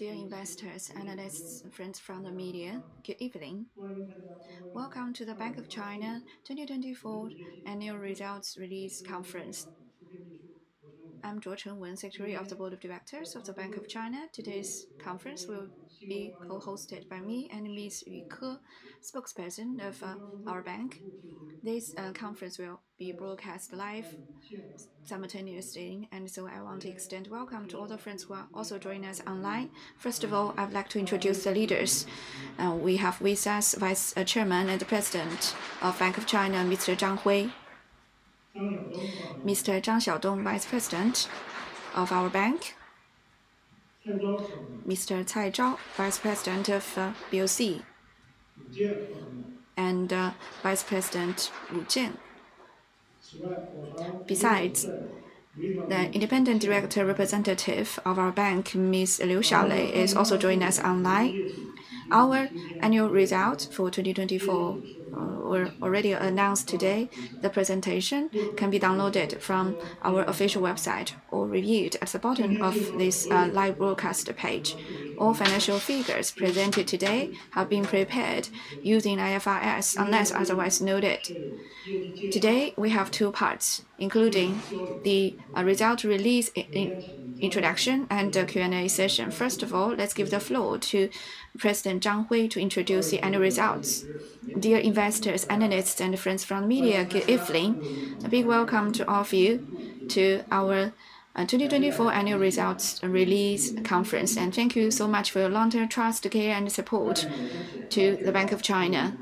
Dear investors, analysts, and friends from the media, good evening. Welcome to the Bank of China 2024 annual results release conference. I'm Zhuo Chengwen, Secretary of the Board of Directors of the Bank of China. Today's conference will be co-hosted by me and Ms. Yu Ke, spokesperson of our bank. This conference will be broadcast live simultaneously, and I want to extend a welcome to all the friends who are also joining us online. First of all, I'd like to introduce the leaders. We have with us Vice Chairman and President of Bank of China, Mr. Zhang Hui. Mr. Zhang Xiaodong, Vice President of our bank. Mr. Cai Zhao, Vice President of BOC. Vice President, Lin Jingzhen. Besides, the independent director representative of our bank, Ms. Liu Xiaolei, is also joining us online. Our annual results for 2024 were already announced today. The presentation can be downloaded from our official website or reviewed at the bottom of this live broadcast page. All financial figures presented today have been prepared using IFRS unless otherwise noted. Today, we have two parts, including the result release introduction and the Q&A session. First of all, let's give the floor to President Zhang Hui to introduce the annual results. Dear investors, analysts, and friends from the media, good evening. A big welcome to all of you to our 2024 annual results release conference, and thank you so much for your long-term trust, care, and support to the Bank of China.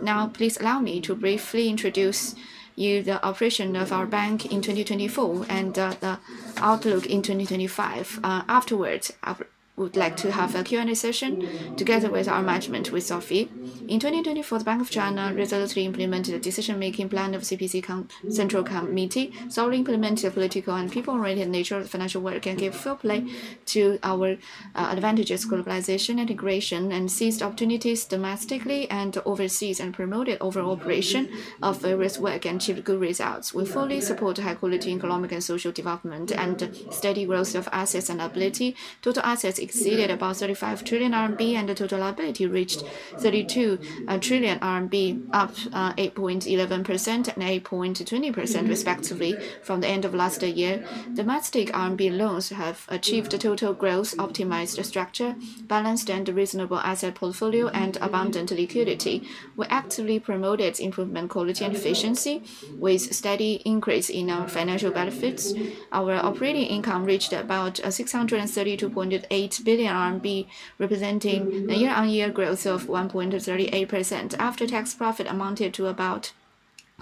Now, please allow me to briefly introduce you to the operation of our bank in 2024 and the outlook in 2025. Afterwards, I would like to have a Q&A session together with our management, with Sophie. In 2024, the Bank of China resolutely implemented the decision-making plan of the CPC Central Committee, solely implementing the political and people-oriented nature of financial work and gave full play to our advantages: globalization, integration, and seized opportunities domestically and overseas, and promoted overall operation of various work and achieved good results. We fully support high-quality economic and social development and steady growth of assets and liability. Total assets exceeded about 35 trillion RMB, and the total liability reached 32 trillion RMB, up 8.11% and 8.20%, respectively, from the end of last year. Domestic RMB loans have achieved total growth, optimized structure, balanced, and reasonable asset portfolio, and abundant liquidity. We actively promoted improvement, quality, and efficiency with steady increase in our financial benefits. Our operating income reached about 632.8 billion RMB, representing a year-on-year growth of 1.38%. After-tax profit amounted to about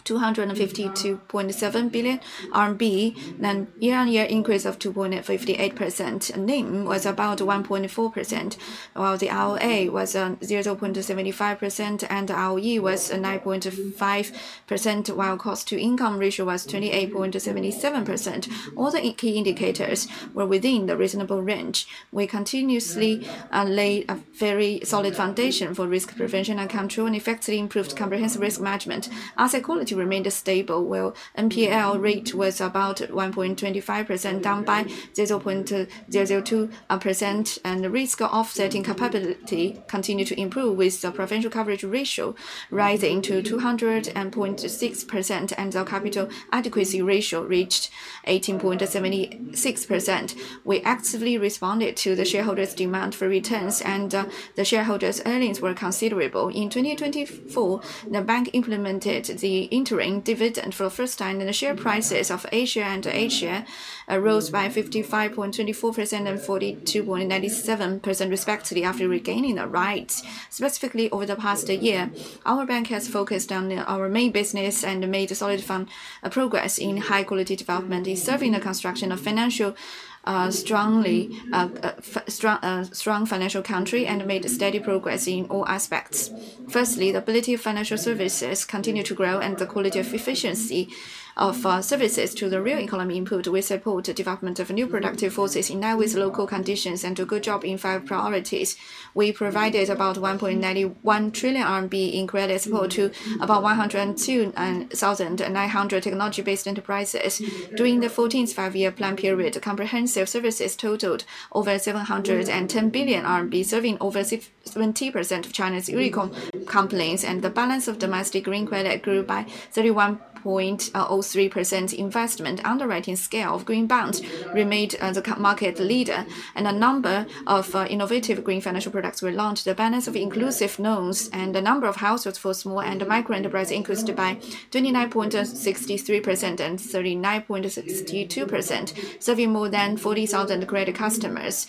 252.7 billion RMB, a year-on-year increase of 2.58%. NIM was about 1.4%, while the ROA was 0.75%, and the ROE was 9.5%, while the cost-to-income ratio was 28.77%. All the key indicators were within the reasonable range. We continuously laid a very solid foundation for risk prevention and control, and effectively improved comprehensive risk management. Asset quality remained stable while NPL rate was about 1.25%, down by 0.002%, and the risk of offsetting capability continued to improve with the provision coverage ratio rising to 200.6% and the capital adequacy ratio reached 18.76%. We actively responded to the shareholders' demand for returns, and the shareholders' earnings were considerable. In 2024, the bank implemented the interim dividend for the first time, and the share prices of A-share and H-share rose by 55.24% and 42.97% respectively after regaining the rights. Specifically, over the past year, our bank has focused on our main business and made solid progress in high-quality development, serving the construction of a strong financial country and made steady progress in all aspects. Firstly, the ability of financial services continued to grow, and the quality of efficiency of services to the real economy improved. We support the development of new productive forces in highly local conditions and do a good job in five priorities. We provided about 1.91 trillion RMB in credit support to about 102,900 technology-based enterprises. During the 14th five-year plan period, comprehensive services totaled over 710 billion RMB, serving over 70% of China's unicorn companies, and the balance of domestic green credit grew by 31.03%. Investment underwriting scale of Green Bond remained the market leader, and a number of innovative green financial products were launched. The balance of inclusive loans and the number of households for small and micro enterprises increased by 29.63% and 39.62%, serving more than 40,000 credit customers.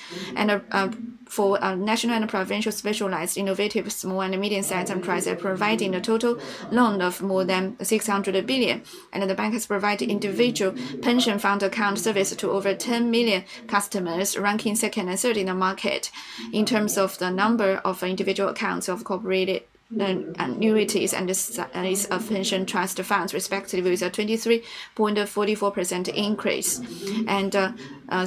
For national and provincial specialized innovative small and medium-sized enterprises, providing a total loan of more than 600 billion. The bank has provided individual pension fund account service to over 10 million customers, ranking second and third in the market in terms of the number of individual accounts of corporate annuities and of pension trust funds, respectively, with a 23.44% increase.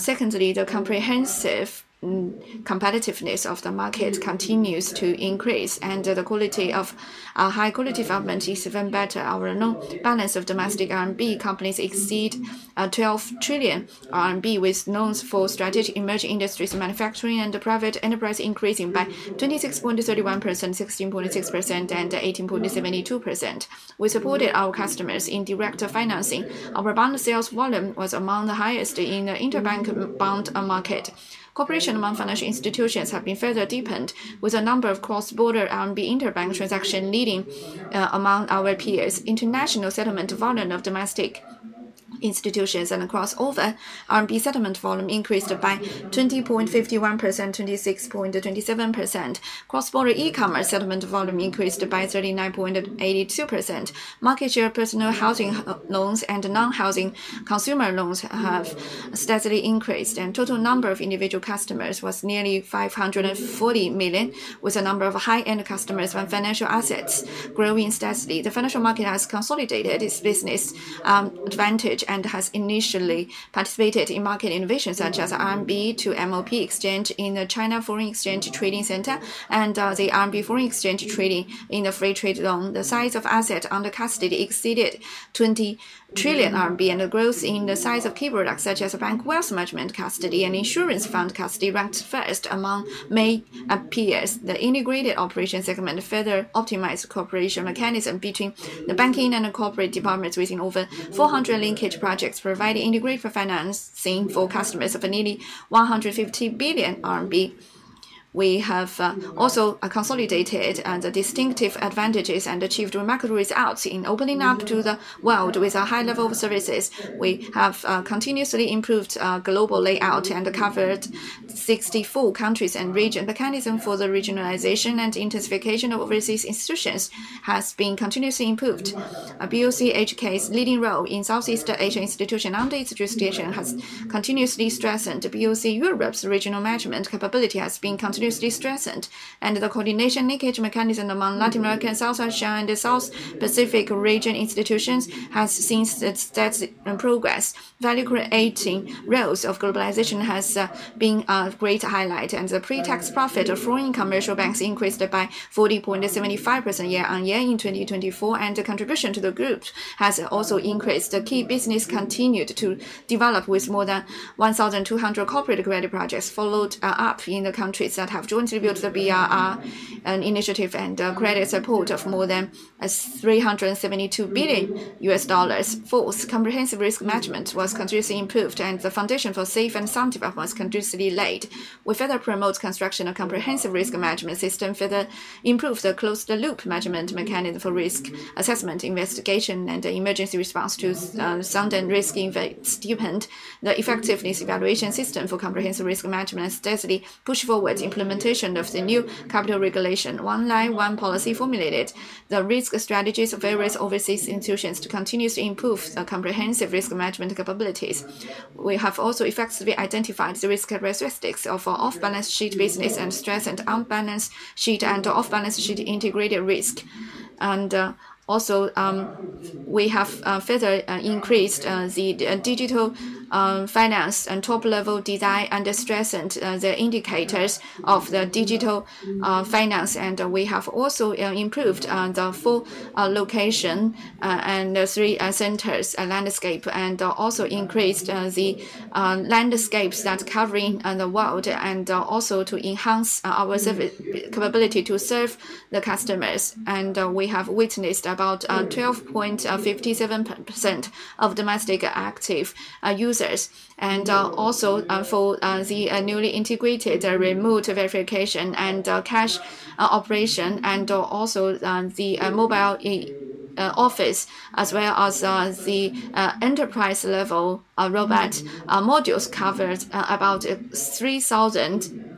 Secondly, the comprehensive competitiveness of the market continues to increase, and the quality of our high-quality development is even better. Our loan balance of domestic RMB companies exceed 12 trillion RMB, with loans for strategic emerging industries, manufacturing, and private enterprise increasing by 26.31%, 16.6%, and 18.72%. We supported our customers in direct financing. Our bond sales volume was among the highest in the interbank bond market. Cooperation among financial institutions has been further deepened with a number of cross-border RMB interbank transactions leading among our peers. International settlement volume of domestic institutions and cross-border RMB settlement volume increased by 20.51%, 26.27%. Cross-border e-commerce settlement volume increased by 39.82%. Market share of personal housing loans and non-housing consumer loans have steadily increased, and total number of individual customers was nearly 540 million, with a number of high-end customers and financial assets growing steadily. The financial market has consolidated its business advantage and has initially participated in market innovations such as RMB to MOP exchange in the China Foreign Exchange Trading Center and the RMB Foreign Exchange Trading in the Free Trade Zone. The size of assets under custody exceeded 20 trillion RMB, and the growth in the size of key products such as bank wealth management custody and insurance fund custody ranked first among many peers. The integrated operation segment further optimized cooperation mechanism between the banking and the corporate departments within over 400 linkage projects, providing integrated financing for customers of nearly 150 billion RMB. We have also consolidated the distinctive advantages and achieved remarkable results in opening up to the world with a high level of services. We have continuously improved global layout and covered 64 countries and regions. Mechanism for the regionalization and intensification of overseas institutions has been continuously improved. BOC HK's leading role in Southeast Asia institution under its jurisdiction has continuously strengthened. BOC Europe's regional management capability has been continuously strengthened, and the coordination linkage mechanism among Latin America, South Asia, and the South Pacific region institutions has seen steady progress. Value-creating roles of globalization has been a great highlight, and the pre-tax profit of foreign commercial banks increased by 40.75% year-on-year in 2024, and the contribution to the group has also increased. The key business continued to develop with more than 1,200 corporate credit projects followed up in the countries that have jointly built the BRI initiative and credit support of more than $372 billion. Fourth, comprehensive risk management was continuously improved, and the foundation for safe and sound development was continuously laid. We further promote construction of comprehensive risk management systems, further improve the closed-loop measurement mechanism for risk assessment, investigation, and emergency response to sudden and risk events. The effectiveness evaluation system for comprehensive risk management steadily pushed forward implementation of the new capital regulation. One line one policy formulated the risk strategies of various overseas institutions to continuously improve the comprehensive risk management capabilities. We have also effectively identified the risk characteristics of off-balance sheet business and strengthened on-balance sheet and off-balance sheet integrated risk. We have further increased the digital finance and top-level design and strengthened the indicators of the digital finance. We have also improved the two locations and three centers landscape and also increased the landscapes that cover the world and also to enhance our capability to serve the customers. We have witnessed about 12.57% of domestic active users, and also for the newly integrated remote verification and cash operation, and also the mobile office as well as the enterprise-level robot modules covered about 3,000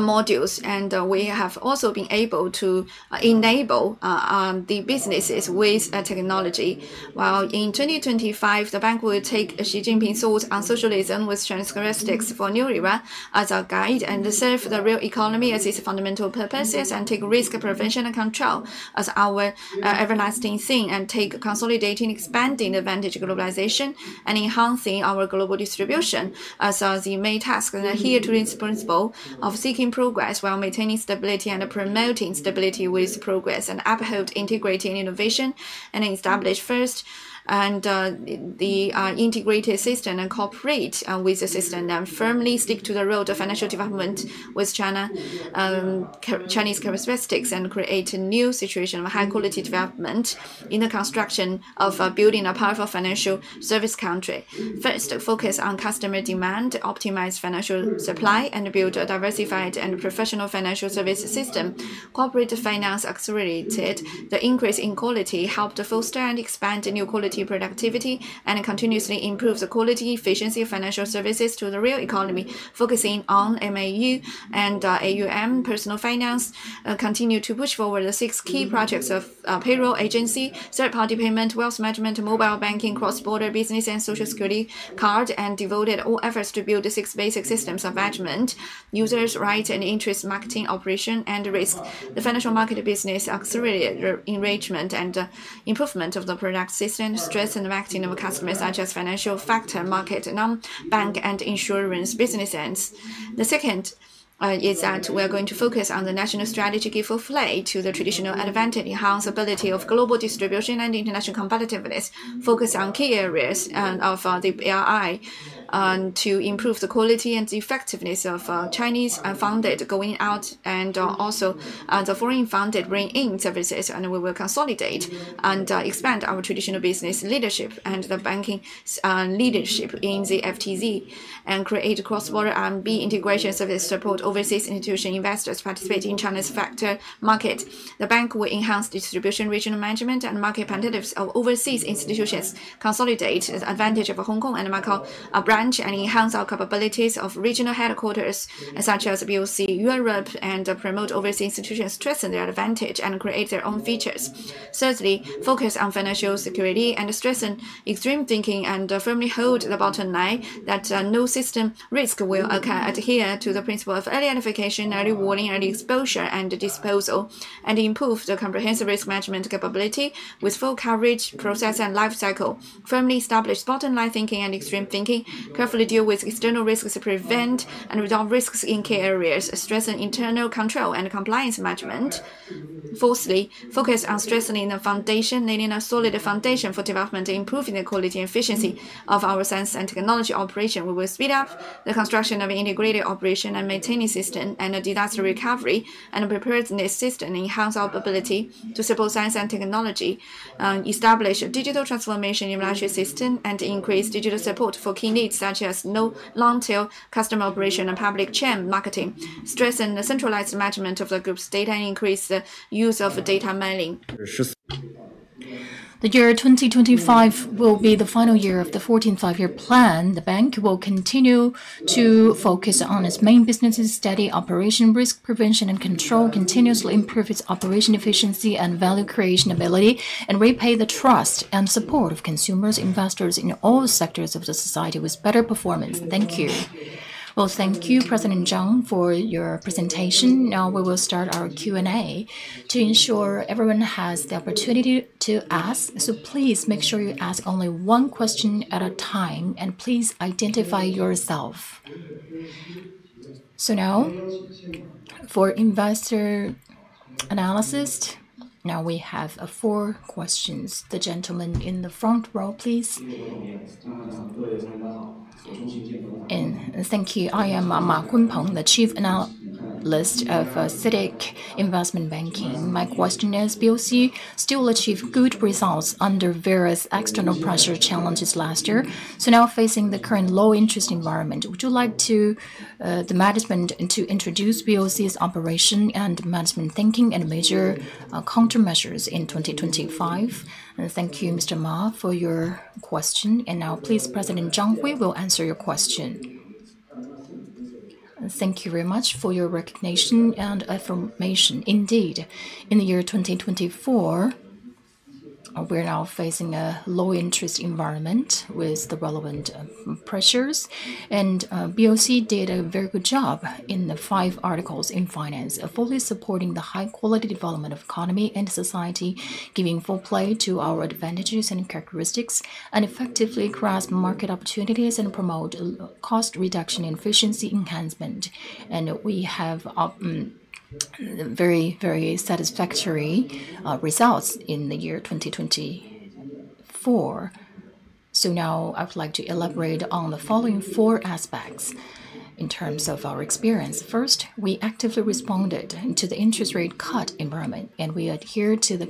modules. We have also been able to enable the businesses with technology. While in 2025, the bank will take Xi Jinping's thoughts on socialism with Chinese characteristics for new era as a guide and serve the real economy as its fundamental purposes and take risk prevention and control as our everlasting thing and take consolidating expanding advantage globalization and enhancing our global distribution as the main task and adhere to its principle of seeking progress while maintaining stability and promoting stability with progress and uphold integrating innovation and establish first and the integrated system and cooperate with the system and firmly stick to the road of financial development with China's characteristics and create a new situation of high-quality development in the construction of building a powerful financial service country. First, focus on customer demand, optimize financial supply, and build a diversified and professional financial service system. Corporate finance accelerated the increase in quality, helped to foster and expand new quality productivity, and continuously improves the quality, efficiency of financial services to the real economy, focusing on MAU and AUM personal finance. Continue to push forward the six key projects of payroll agency, third-party payment, wealth management, mobile banking, cross-border business, and social security card, and devoted all efforts to build the six basic systems of management, users, rights, and interest marketing operation and risk. The financial market business accelerated enrichment and improvement of the product system, strengthened the marketing of customers such as financial factor market, non-bank, and insurance businesses. The second is that we are going to focus on the national strategy for play to the traditional advantage enhanced ability of global distribution and international competitiveness, focus on key areas of the BRI to improve the quality and effectiveness of Chinese-founded going out and also the foreign-founded bringing in services. We will consolidate and expand our traditional business leadership and the banking leadership in the Free Trade Zone and create cross-border RMB integration service support overseas institution investors participating in China's factor market. The bank will enhance distribution regional management and market competitiveness of overseas institutions, consolidate the advantage of Hong Kong and Macau branch, and enhance our capabilities of regional headquarters such as BOC Europe and promote overseas institutions, strengthen their advantage, and create their own features. Thirdly, focus on financial security and strengthen extreme thinking and firmly hold the bottom line that no system risk will adhere to the principle of early identification, early warning, early exposure, and disposal, and improve the comprehensive risk management capability with full coverage process and life cycle, firmly establish bottom line thinking and extreme thinking, carefully deal with external risks to prevent and resolve risks in key areas, strengthen internal control and compliance management. Fourthly, focus on strengthening the foundation, laying a solid foundation for development, improving the quality and efficiency of our science and technology operation. We will speed up the construction of an integrated operation and maintaining system and disaster recovery and preparedness system and enhance our ability to support science and technology, establish digital transformation in the financial system, and increase digital support for key needs such as no long-tail customer operation and public chain marketing, strengthen the centralized management of the group's data and increase the use of data mining. The year 2025 will be the final year of the 14th five-year plan. The bank will continue to focus on its main businesses, steady operation, risk prevention and control, continuously improve its operation efficiency and value creation ability, and repay the trust and support of consumers, investors in all sectors of the society with better performance. Thank you. Thank you, President Zhang, for your presentation. Now we will start our Q&A to ensure everyone has the opportunity to ask. Please make sure you ask only one question at a time and please identify yourself. Now for investor analysis, we have four questions. The gentleman in the front row, please. Thank you. I am Ma Kunpeng, the chief analyst of CITIC Securities. My question is, BOC still achieved good results under various external pressure challenges last year. Now facing the current low-interest environment, would you like the management to introduce BOC's operation and management thinking and measure countermeasures in 2025? Thank you, Mr. Ma, for your question. Now, President Zhang Hui, we will answer your question. Thank you very much for your recognition and affirmation. Indeed, in the year 2024, we are now facing a low-interest environment with the relevant pressures. BOC did a very good job in the five articles in finance, fully supporting the high-quality development of economy and society, giving full play to our advantages and characteristics, and effectively grasp market opportunities and promote cost reduction and efficiency enhancement. We have very, very satisfactory results in the year 2024. Now I'd like to elaborate on the following four aspects in terms of our experience. First, we actively responded to the interest rate cut environment, and we adhered to the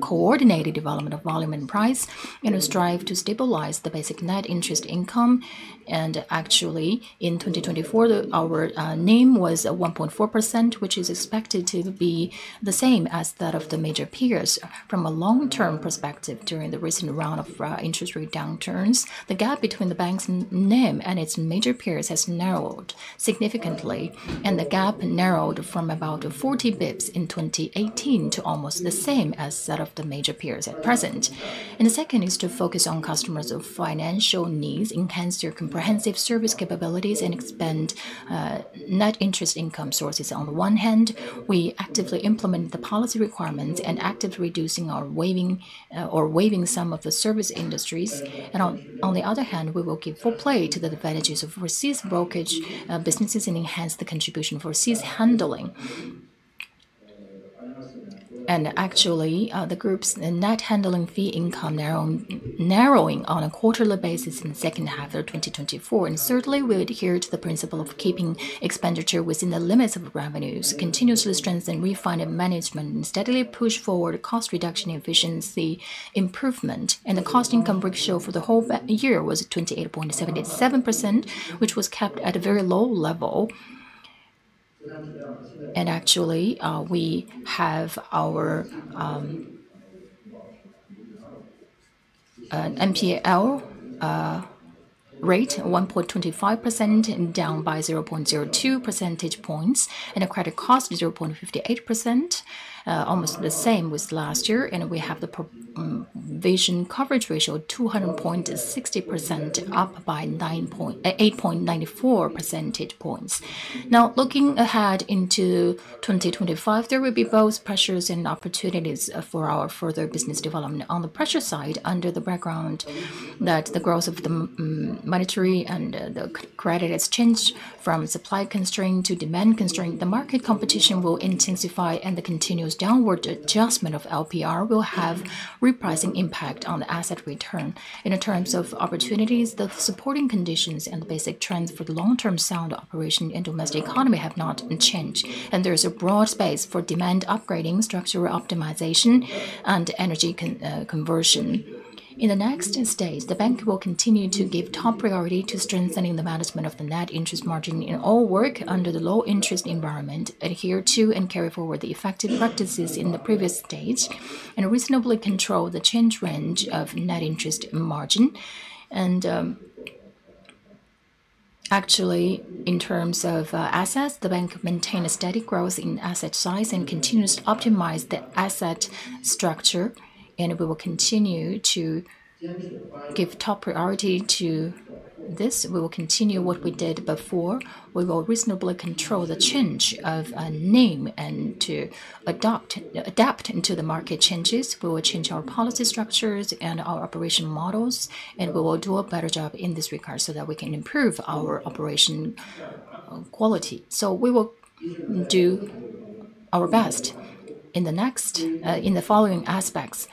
coordinated development of volume and price in a strive to stabilize the basic net interest income. Actually, in 2024, our NIM was 1.4%, which is expected to be the same as that of the major peers. From a long-term perspective, during the recent round of interest rate downturns, the gap between the bank's NIM and its major peers has narrowed significantly, and the gap narrowed from about 40 basis points in 2018 to almost the same as that of the major peers at present. The second is to focus on customers' financial needs, enhance their comprehensive service capabilities, and expand net interest income sources. On the one hand, we actively implemented the policy requirements and actively reducing or waiving some of the service industries. On the other hand, we will give full play to the advantages of overseas brokerage businesses and enhance the contribution for overseas handling. Actually, the group's net handling fee income narrowing on a quarterly basis in the second half of 2024. Thirdly, we adhere to the principle of keeping expenditure within the limits of revenues, continuously strengthen refinance management, and steadily push forward cost reduction efficiency improvement. The cost income ratio for the whole year was 28.77%, which was kept at a very low level. Actually, we have our MPL rate 1.25%, down by 0.02 percentage points, and a credit cost of 0.58%, almost the same with last year. We have the provision coverage ratio of 200.60%, up by 8.94 percentage points. Now, looking ahead into 2025, there will be both pressures and opportunities for our further business development. On the pressure side, under the background that the growth of the monetary and the credit has changed from supply constraint to demand constraint, the market competition will intensify and the continuous downward adjustment of LPR will have repricing impact on the asset return. In terms of opportunities, the supporting conditions and the basic trends for the long-term sound operation in the domestic economy have not changed, and there is a broad space for demand upgrading, structural optimization, and energy conversion. In the next stage, the bank will continue to give top priority to strengthening the management of the net interest margin in all work under the low-interest environment, adhere to and carry forward the effective practices in the previous stage, and reasonably control the change range of net interest margin. Actually, in terms of assets, the bank maintains a steady growth in asset size and continues to optimize the asset structure. We will continue to give top priority to this. We will continue what we did before. We will reasonably control the change of NIM and to adapt into the market changes. We will change our policy structures and our operation models, and we will do a better job in this regard so that we can improve our operation quality. We will do our best in the following aspects.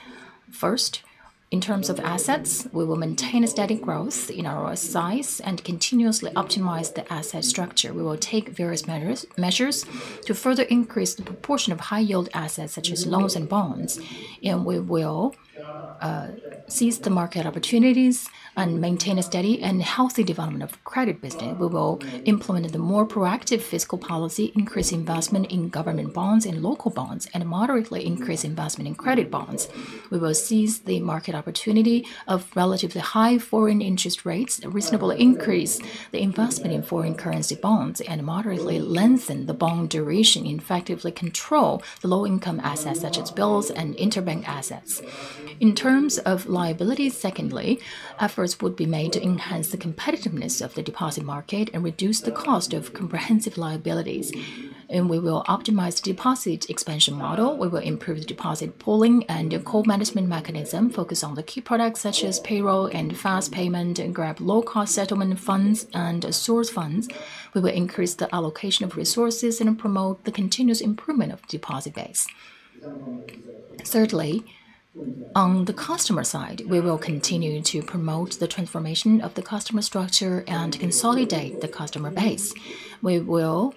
First, in terms of assets, we will maintain a steady growth in our size and continuously optimize the asset structure. We will take various measures to further increase the proportion of high-yield assets such as loans and bonds, and we will seize the market opportunities and maintain a steady and healthy development of credit business. We will implement the more proactive fiscal policy, increase investment in government bonds and local bonds, and moderately increase investment in credit bonds. We will seize the market opportunity of relatively high foreign interest rates, reasonably increase the investment in foreign currency bonds, and moderately lengthen the bond duration, effectively control the low-income assets such as bills and interbank assets. In terms of liabilities, secondly, efforts would be made to enhance the competitiveness of the deposit market and reduce the cost of comprehensive liabilities. We will optimize the deposit expansion model. We will improve the deposit pooling and co-management mechanism, focus on the key products such as payroll and fast payment, and grab low-cost settlement funds and source funds. We will increase the allocation of resources and promote the continuous improvement of the deposit base. Thirdly, on the customer side, we will continue to promote the transformation of the customer structure and consolidate the customer base. We will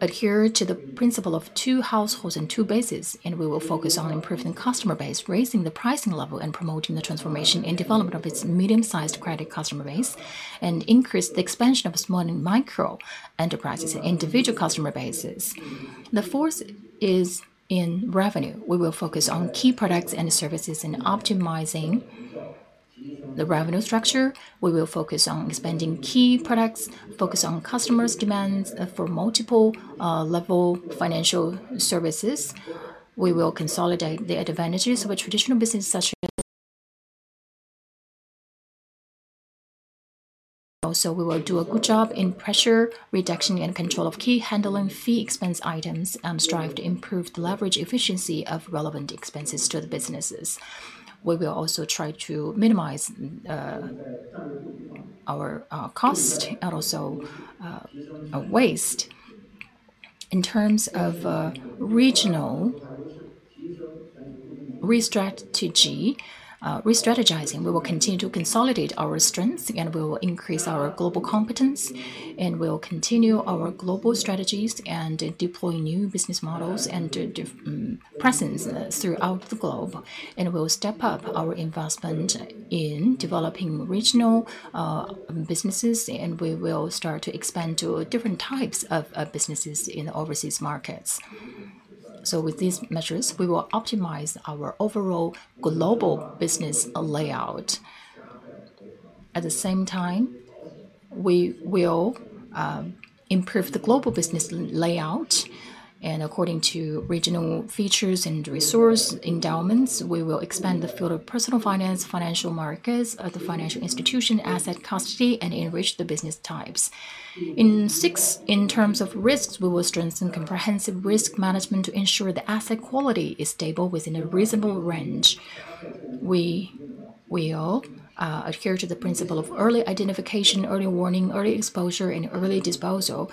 adhere to the principle of two households and two bases, and we will focus on improving the customer base, raising the pricing level and promoting the transformation and development of its medium-sized credit customer base, and increase the expansion of small and micro enterprises and individual customer bases. The fourth is in revenue. We will focus on key products and services and optimizing the revenue structure. We will focus on expanding key products, focus on customers' demands for multiple-level financial services. We will consolidate the advantages of a traditional business such as. We will do a good job in pressure reduction and control of key handling fee expense items and strive to improve the leverage efficiency of relevant expenses to the businesses. We will also try to minimize our cost and also waste. In terms of regional restrategizing, we will continue to consolidate our strengths and we will increase our global competence, and we will continue our global strategies and deploy new business models and presence throughout the globe. We will step up our investment in developing regional businesses, and we will start to expand to different types of businesses in overseas markets. With these measures, we will optimize our overall global business layout. At the same time, we will improve the global business layout, and according to regional features and resource endowments, we will expand the field of personal finance, financial markets, the financial institution, asset custody, and enrich the business types. In terms of risks, we will strengthen comprehensive risk management to ensure the asset quality is stable within a reasonable range. We will adhere to the principle of early identification, early warning, early exposure, and early disposal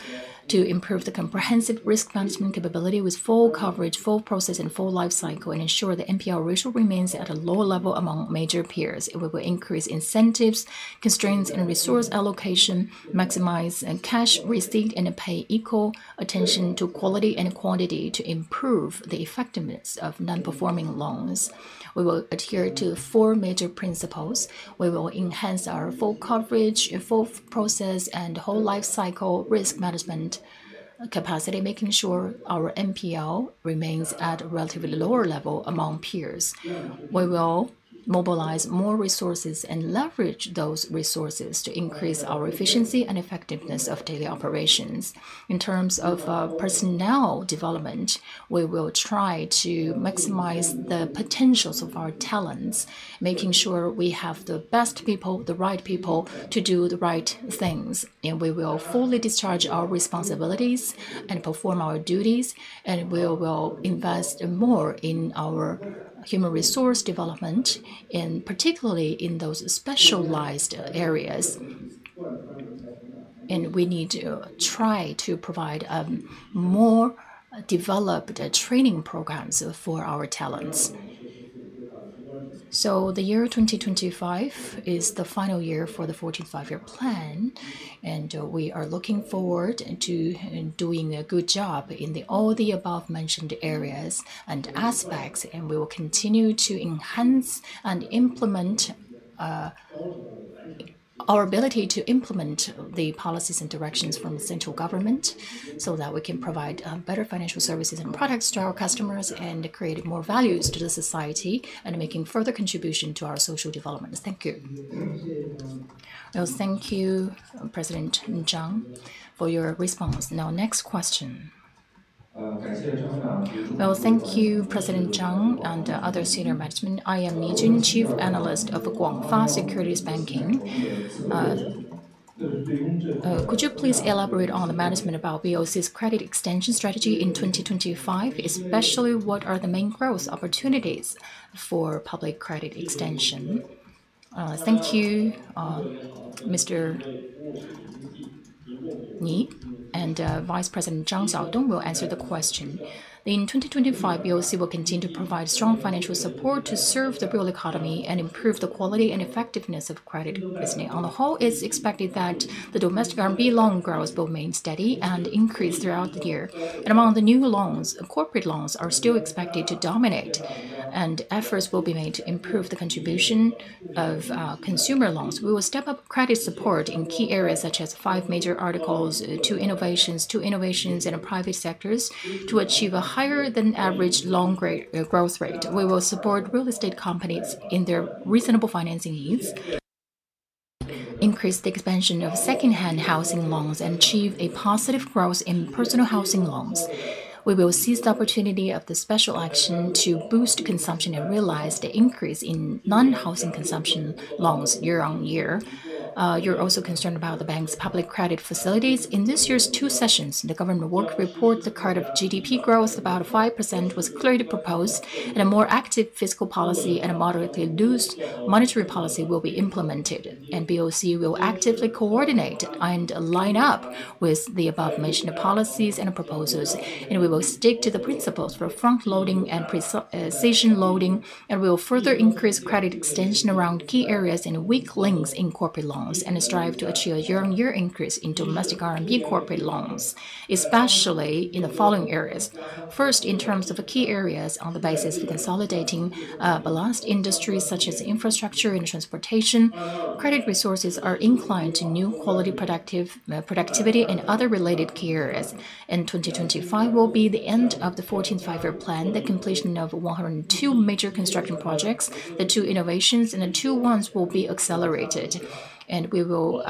to improve the comprehensive risk management capability with full coverage, full process, and full life cycle, and ensure the MPL ratio remains at a low level among major peers. We will increase incentives, constraints, and resource allocation, maximize cash receipt and pay equal attention to quality and quantity to improve the effectiveness of non-performing loans. We will adhere to four major principles. We will enhance our full coverage, full process, and whole life cycle risk management capacity, making sure our MPL remains at a relatively lower level among peers. We will mobilize more resources and leverage those resources to increase our efficiency and effectiveness of daily operations. In terms of personnel development, we will try to maximize the potentials of our talents, making sure we have the best people, the right people to do the right things. We will fully discharge our responsibilities and perform our duties, and we will invest more in our human resource development, particularly in those specialized areas. We need to try to provide more developed training programs for our talents. The year 2025 is the final year for the 14th five-year plan, and we are looking forward to doing a good job in all the above-mentioned areas and aspects. We will continue to enhance and implement our ability to implement the policies and directions from the central government so that we can provide better financial services and products to our customers and create more values to the society and make further contribution to our social development. Thank you. Thank you, President Zhang, for your response. Now, next question. Thank you, President Zhang and other senior management. I am Ni Jun, chief analyst of GF Securities Banking. Could you please elaborate on the management about BOC's credit extension strategy in 2025, especially what are the main growth opportunities for public credit extension? Thank you, Mr. Ni, and Vice President Zhang Xiaodong will answer the question. In 2025, BOC will continue to provide strong financial support to serve the real economy and improve the quality and effectiveness of credit business. On the whole, it is expected that the domestic RMB loan growth will remain steady and increase throughout the year. Among the new loans, corporate loans are still expected to dominate, and efforts will be made to improve the contribution of consumer loans. We will step up credit support in key areas such as five major articles, two innovations, two innovations in private sectors to achieve a higher-than-average loan growth rate. We will support real estate companies in their reasonable financing needs, increase the expansion of secondhand housing loans, and achieve a positive growth in personal housing loans. We will seize the opportunity of the special action to boost consumption and realize the increase in non-housing consumption loans year on year. You're also concerned about the bank's public credit facilities. In this year's two sessions, the government work report, the card of GDP growth of about 5% was clearly proposed, and a more active fiscal policy and a moderately loose monetary policy will be implemented. BOC will actively coordinate and line up with the above-mentioned policies and proposals, and we will stick to the principles for front-loading and precision loading, and we will further increase credit extension around key areas and weak links in corporate loans and strive to achieve a year-on-year increase in domestic RMB corporate loans, especially in the following areas. First, in terms of key areas, on the basis of consolidating the last industries such as infrastructure and transportation, credit resources are inclined to new quality productivity and other related key areas. 2025 will be the end of the 14th Five-Year Plan, the completion of 102 major construction projects, the two innovations, and the two ones will be accelerated. We will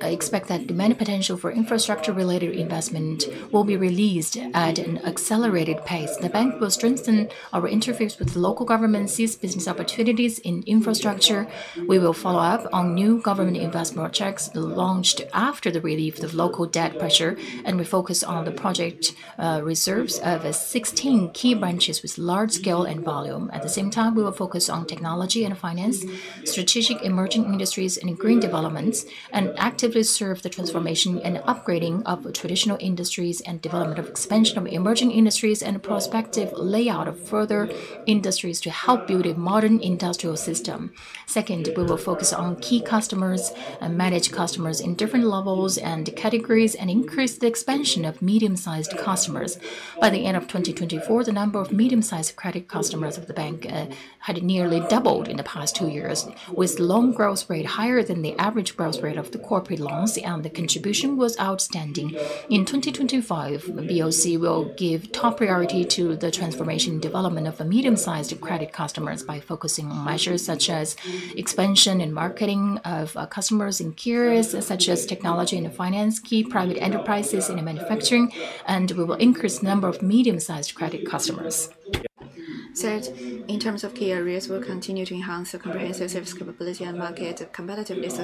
expect that the main potential for infrastructure-related investment will be released at an accelerated pace. The bank will strengthen our interface with local governments, seize business opportunities in infrastructure. We will follow up on new government investment projects launched after the relief of local debt pressure, and we focus on the project reserves of 16 key branches with large scale and volume. At the same time, we will focus on technology and finance, strategic emerging industries and green developments, and actively serve the transformation and upgrading of traditional industries and development of expansion of emerging industries and prospective layout of further industries to help build a modern industrial system. Second, we will focus on key customers and manage customers in different levels and categories and increase the expansion of medium-sized customers. By the end of 2024, the number of medium-sized credit customers of the bank had nearly doubled in the past two years, with loan growth rate higher than the average growth rate of the corporate loans, and the contribution was outstanding. In 2025, BOC will give top priority to the transformation and development of medium-sized credit customers by focusing on measures such as expansion and marketing of customers in key areas such as technology and finance, key private enterprises in manufacturing, and we will increase the number of medium-sized credit customers. In terms of key areas, we will continue to enhance the comprehensive service capability and market competitiveness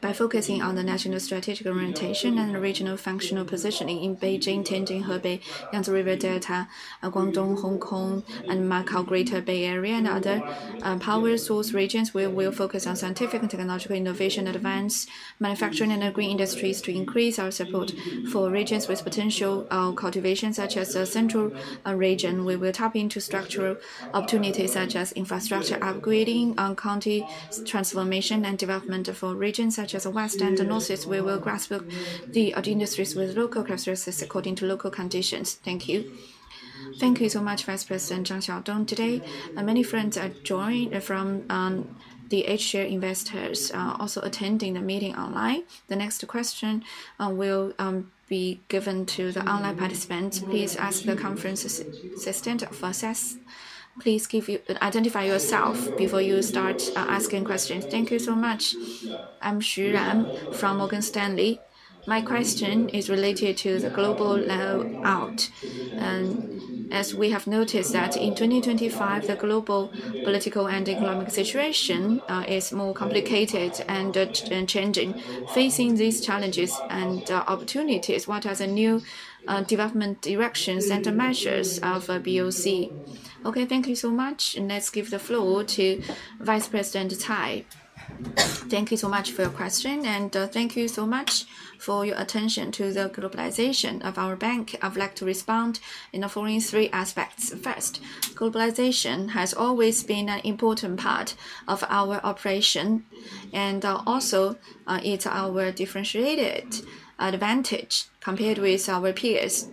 by focusing on the national strategic orientation and regional functional positioning in Beijing-Tianjin-Hebei, Yangtze River Delta, Guangdong-Hong Kong-Macau Greater Bay Area, and other power source regions. We will focus on scientific and technological innovation, advanced manufacturing and green industries to increase our support for regions with potential cultivation such as the central region. We will tap into structural opportunities such as infrastructure upgrading, county transformation, and development for regions such as the West and the Northeast. We will grasp the industries with local characteristics according to local conditions. Thank you. Thank you so much, Vice President Zhang Xiaodong. Today, many friends are joining from the HSHER investors also attending the meeting online. The next question will be given to the online participants. Please ask the conference assistant for access. Please identify yourself before you start asking questions. Thank you so much. I'm Xu Ran from Morgan Stanley. My question is related to the global layout. As we have noticed that in 2025, the global political and economic situation is more complicated and changing. Facing these challenges and opportunities, what are the new development directions and measures of BOC? Okay, thank you so much. Let's give the floor to Vice President Cai. Thank you so much for your question, and thank you so much for your attention to the globalization of our bank. I'd like to respond in the following three aspects. First, globalization has always been an important part of our operation, and also it's our differentiated advantage compared with our peers.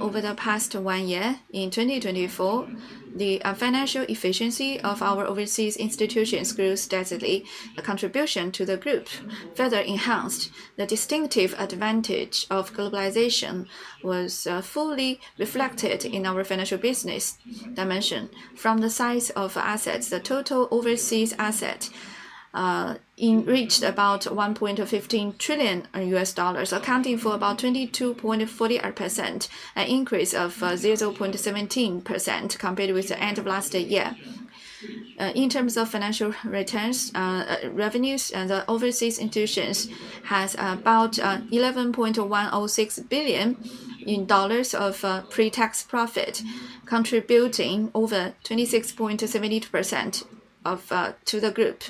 Over the past one year, in 2024, the financial efficiency of our overseas institutions grew steadily. The contribution to the group further enhanced the distinctive advantage of globalization was fully reflected in our financial business dimension. From the size of assets, the total overseas asset reached about $1.15 trillion, accounting for about 22.48%, an increase of 0.17% compared with the end of last year. In terms of financial returns, revenues and the overseas institutions has about $11.106 billion of pre-tax profit, contributing over 26.72% to the group,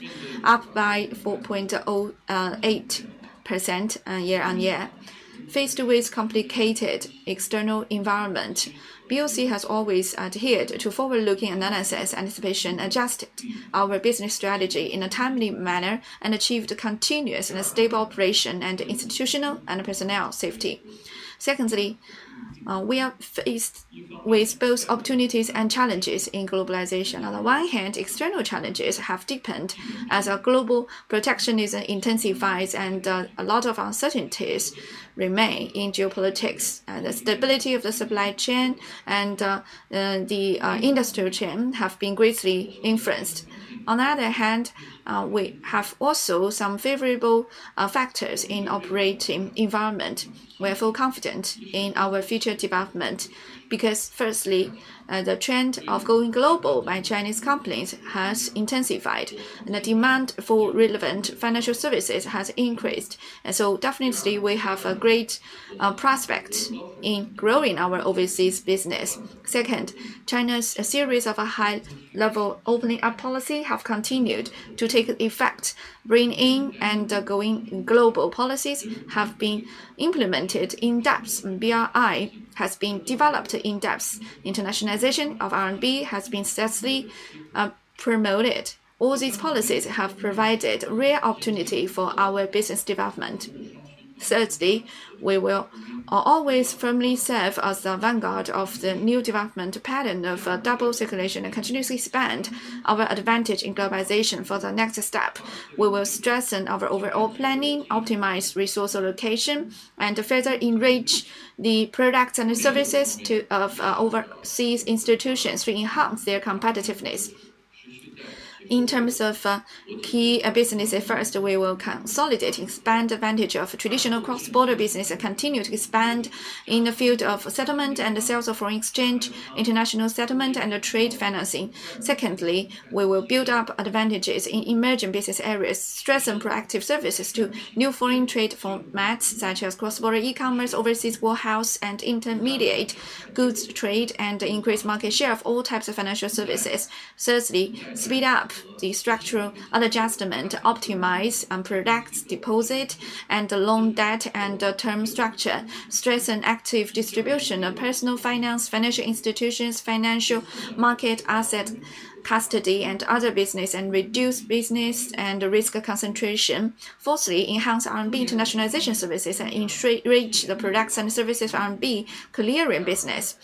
up by 4.08% year on year. Faced with complicated external environment, BOC has always adhered to forward-looking analysis and sufficiently adjusted our business strategy in a timely manner and achieved continuous and stable operation and institutional and personnel safety. Secondly, we are faced with both opportunities and challenges in globalization. On the one hand, external challenges have deepened as our global protectionism intensifies and a lot of uncertainties remain in geopolitics, and the stability of the supply chain and the industrial chain have been greatly influenced. On the other hand, we have also some favorable factors in operating environment. We are full confident in our future development because, firstly, the trend of going global by Chinese companies has intensified, and the demand for relevant financial services has increased. Definitely, we have a great prospect in growing our overseas business. Second, China's series of high-level opening-up policies have continued to take effect. Bring in and going global policies have been implemented in depth. BRI has been developed in depth. Internationalization of RMB has been successfully promoted. All these policies have provided rare opportunity for our business development. Thirdly, we will always firmly serve as the vanguard of the new development pattern of double circulation and continuously spend our advantage in globalization for the next step. We will strengthen our overall planning, optimize resource allocation, and further enrich the products and services of overseas institutions to enhance their competitiveness. In terms of key business efforts, we will consolidate and expand the advantage of traditional cross-border business and continue to expand in the field of settlement and sales of foreign exchange, international settlement, and trade financing. Secondly, we will build up advantages in emerging business areas, strengthen proactive services to new foreign trade formats such as cross-border e-commerce, overseas warehouse, and intermediate goods trade, and increase market share of all types of financial services. Thirdly, speed up the structural adjustment, optimize products, deposit, and loan debt and term structure, strengthen active distribution of personal finance, financial institutions, financial market asset custody, and other business, and reduce business and risk concentration. Fourthly, enhance RMB internationalization services and enrich the products and services RMB clearing business.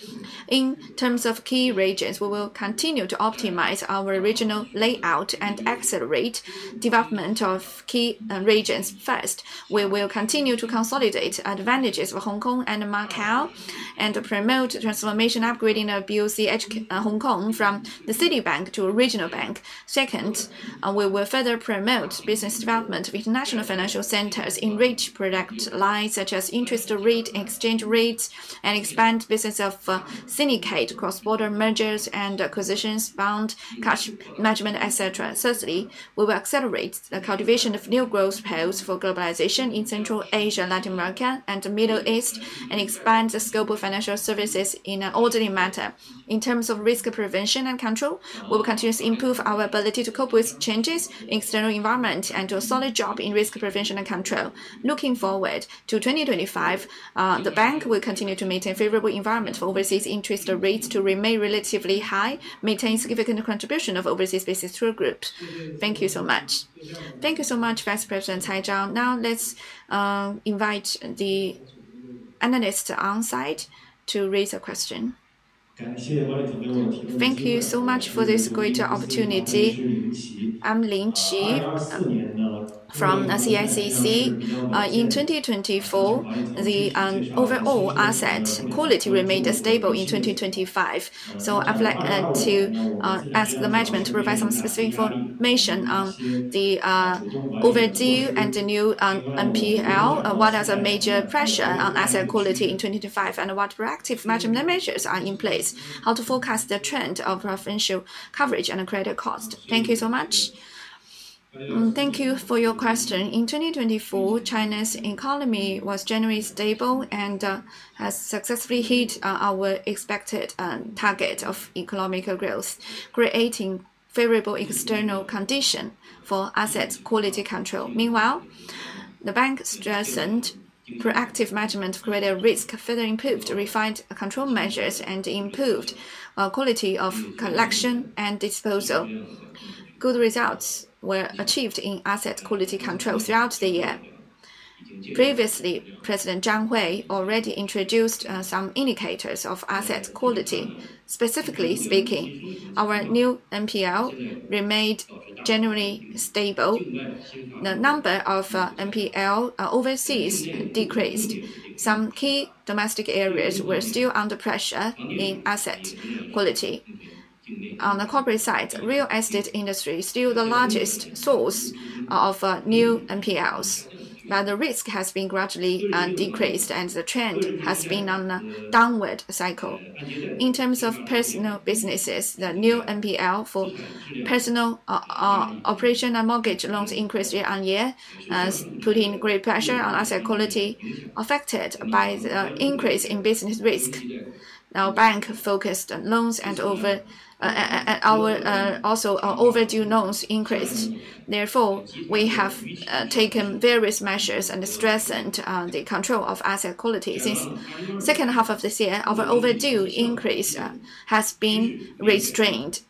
In terms of key regions, we will continue to optimize our regional layout and accelerate development of key regions. First, we will continue to consolidate advantages of Hong Kong and Macau and promote transformation upgrading of BOC Hong Kong from the Citibank to a regional bank. Second, we will further promote business development with national financial centers, enrich product lines such as interest rate, exchange rates, and expand business of syndicate, cross-border mergers and acquisitions, bond, cash management, etc. Thirdly, we will accelerate the cultivation of new growth paths for globalization in Central Asia, Latin America, and the Middle East, and expand the scope of financial services in an orderly manner. In terms of risk prevention and control, we will continue to improve our ability to cope with changes in external environment and do a solid job in risk prevention and control. Looking forward to 2025, the bank will continue to maintain a favorable environment for overseas interest rates to remain relatively high, maintaining significant contribution of overseas business through groups. Thank you so much. Thank you so much, Vice President Cai Zhao. Now let's invite the analyst on site to raise a question. Thank you so much for this great opportunity. I'm Lin Qi from CICC. In 2024, the overall asset quality remained stable in 2025. I would like to ask the management to provide some specific information on the overdue and the new MPL. What are the major pressures on asset quality in 2025, and what proactive management measures are in place? How to forecast the trend of financial coverage and credit cost? Thank you so much. Thank you for your question. In 2024, China's economy was generally stable and has successfully hit our expected target of economic growth, creating favorable external conditions for asset quality control. Meanwhile, the bank strengthened proactive management of credit risk, further improved refined control measures, and improved quality of collection and disposal. Good results were achieved in asset quality control throughout the year. Previously, President Zhang Hui already introduced some indicators of asset quality. Specifically speaking, our new MPL remained generally stable. The number of MPL overseas decreased. Some key domestic areas were still under pressure in asset quality. On the corporate side, real estate industry is still the largest source of new MPLs, but the risk has been gradually decreased, and the trend has been a downward cycle. In terms of personal businesses, the new MPL for personal operation and mortgage loans increased year on year, putting great pressure on asset quality affected by the increase in business risk. Our bank focused on loans, and also overdue loans increased. Therefore, we have taken various measures and strengthened the control of asset quality. Since the second half of this year, our overdue increase has been restrained.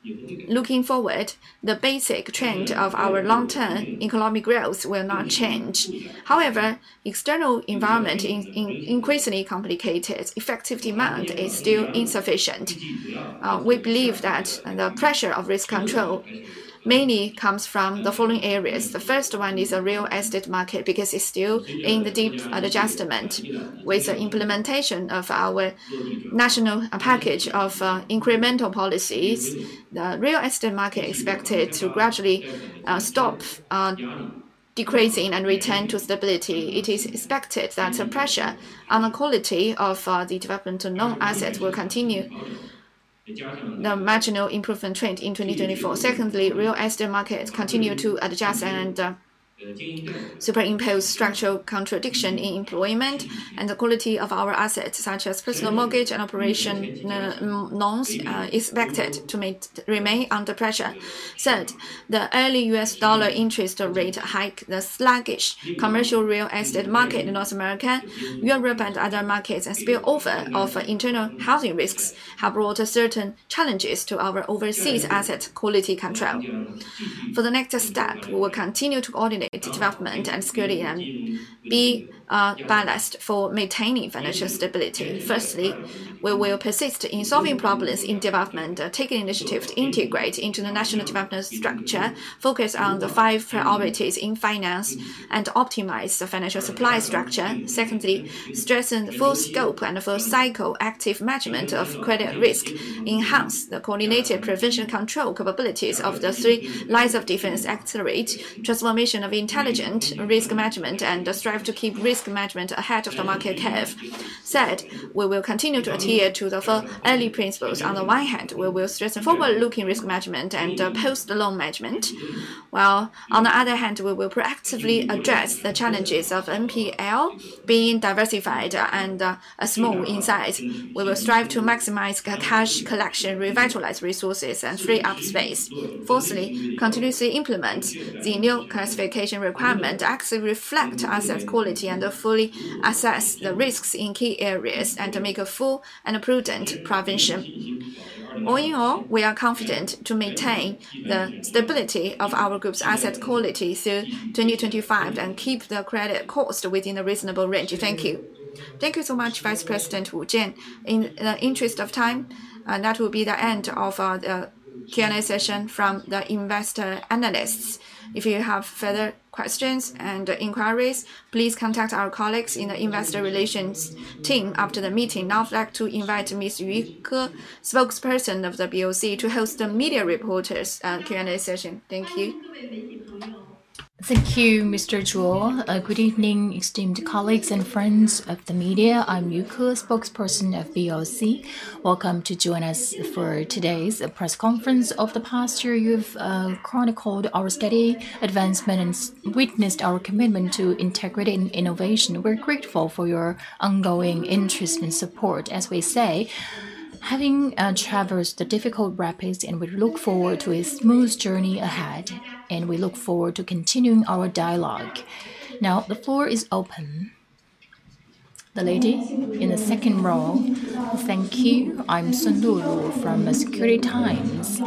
Looking forward, the basic trend of our long-term economic growth will not change. However, the external environment is increasingly complicated. Effective demand is still insufficient. We believe that the pressure of risk control mainly comes from the following areas. The first one is the real estate market because it's still in the deep adjustment. With the implementation of our national package of incremental policies, the real estate market is expected to gradually stop decreasing and return to stability. It is expected that the pressure on the quality of the development of non-assets will continue the marginal improvement trend in 2024. Secondly, the real estate market continues to adjust and superimpose structural contradictions in employment and the quality of our assets, such as personal mortgage and operation loans, is expected to remain under pressure. Third, the early US dollar interest rate hike, the sluggish commercial real estate market in North America, Europe, and other markets, and still overall internal housing risks have brought certain challenges to our overseas asset quality control. For the next step, we will continue to coordinate development and security and be balanced for maintaining financial stability. Firstly, we will persist in solving problems in development, taking initiative to integrate into the national development structure, focus on the five priorities in finance, and optimize the financial supply structure. Secondly, strengthen the full scope and full cycle active management of credit risk, enhance the coordinated prevention control capabilities of the three lines of defense, accelerate transformation of intelligent risk management, and strive to keep risk management ahead of the market curve. Third, we will continue to adhere to the four early principles. On the one hand, we will strengthen forward-looking risk management and post-loan management. While on the other hand, we will proactively address the challenges of MPL being diversified and small in size. We will strive to maximize cash collection, revitalize resources, and free up space. Fourthly, continuously implement the new classification requirement, actively reflect asset quality, and fully assess the risks in key areas and make a full and prudent prevention. All in all, we are confident to maintain the stability of our group's asset quality through 2025 and keep the credit cost within a reasonable range. Thank you. Thank you so much, Vice President Wu Jian. In the interest of time, that will be the end of the Q&A session from the investor analysts. If you have further questions and inquiries, please contact our colleagues in the investor relations team after the meeting. Now I'd like to invite Ms. Yu Ke, spokesperson of the BOC, to host the media reporters' Q&A session. Thank you. Thank you, Mr. Zhuo. Good evening, esteemed colleagues and friends of the media. I'm Yu Ke, spokesperson of BOC. Welcome to join us for today's press conference. Over the past year, you've chronicled our steady advancement and witnessed our commitment to integrity and innovation. We're grateful for your ongoing interest and support. As we say, having traversed the difficult rapids, we look forward to a smooth journey ahead, and we look forward to continuing our dialogue. Now, the floor is open. The lady in the second row, thank you. I'm Sun Lulu from Securities Times.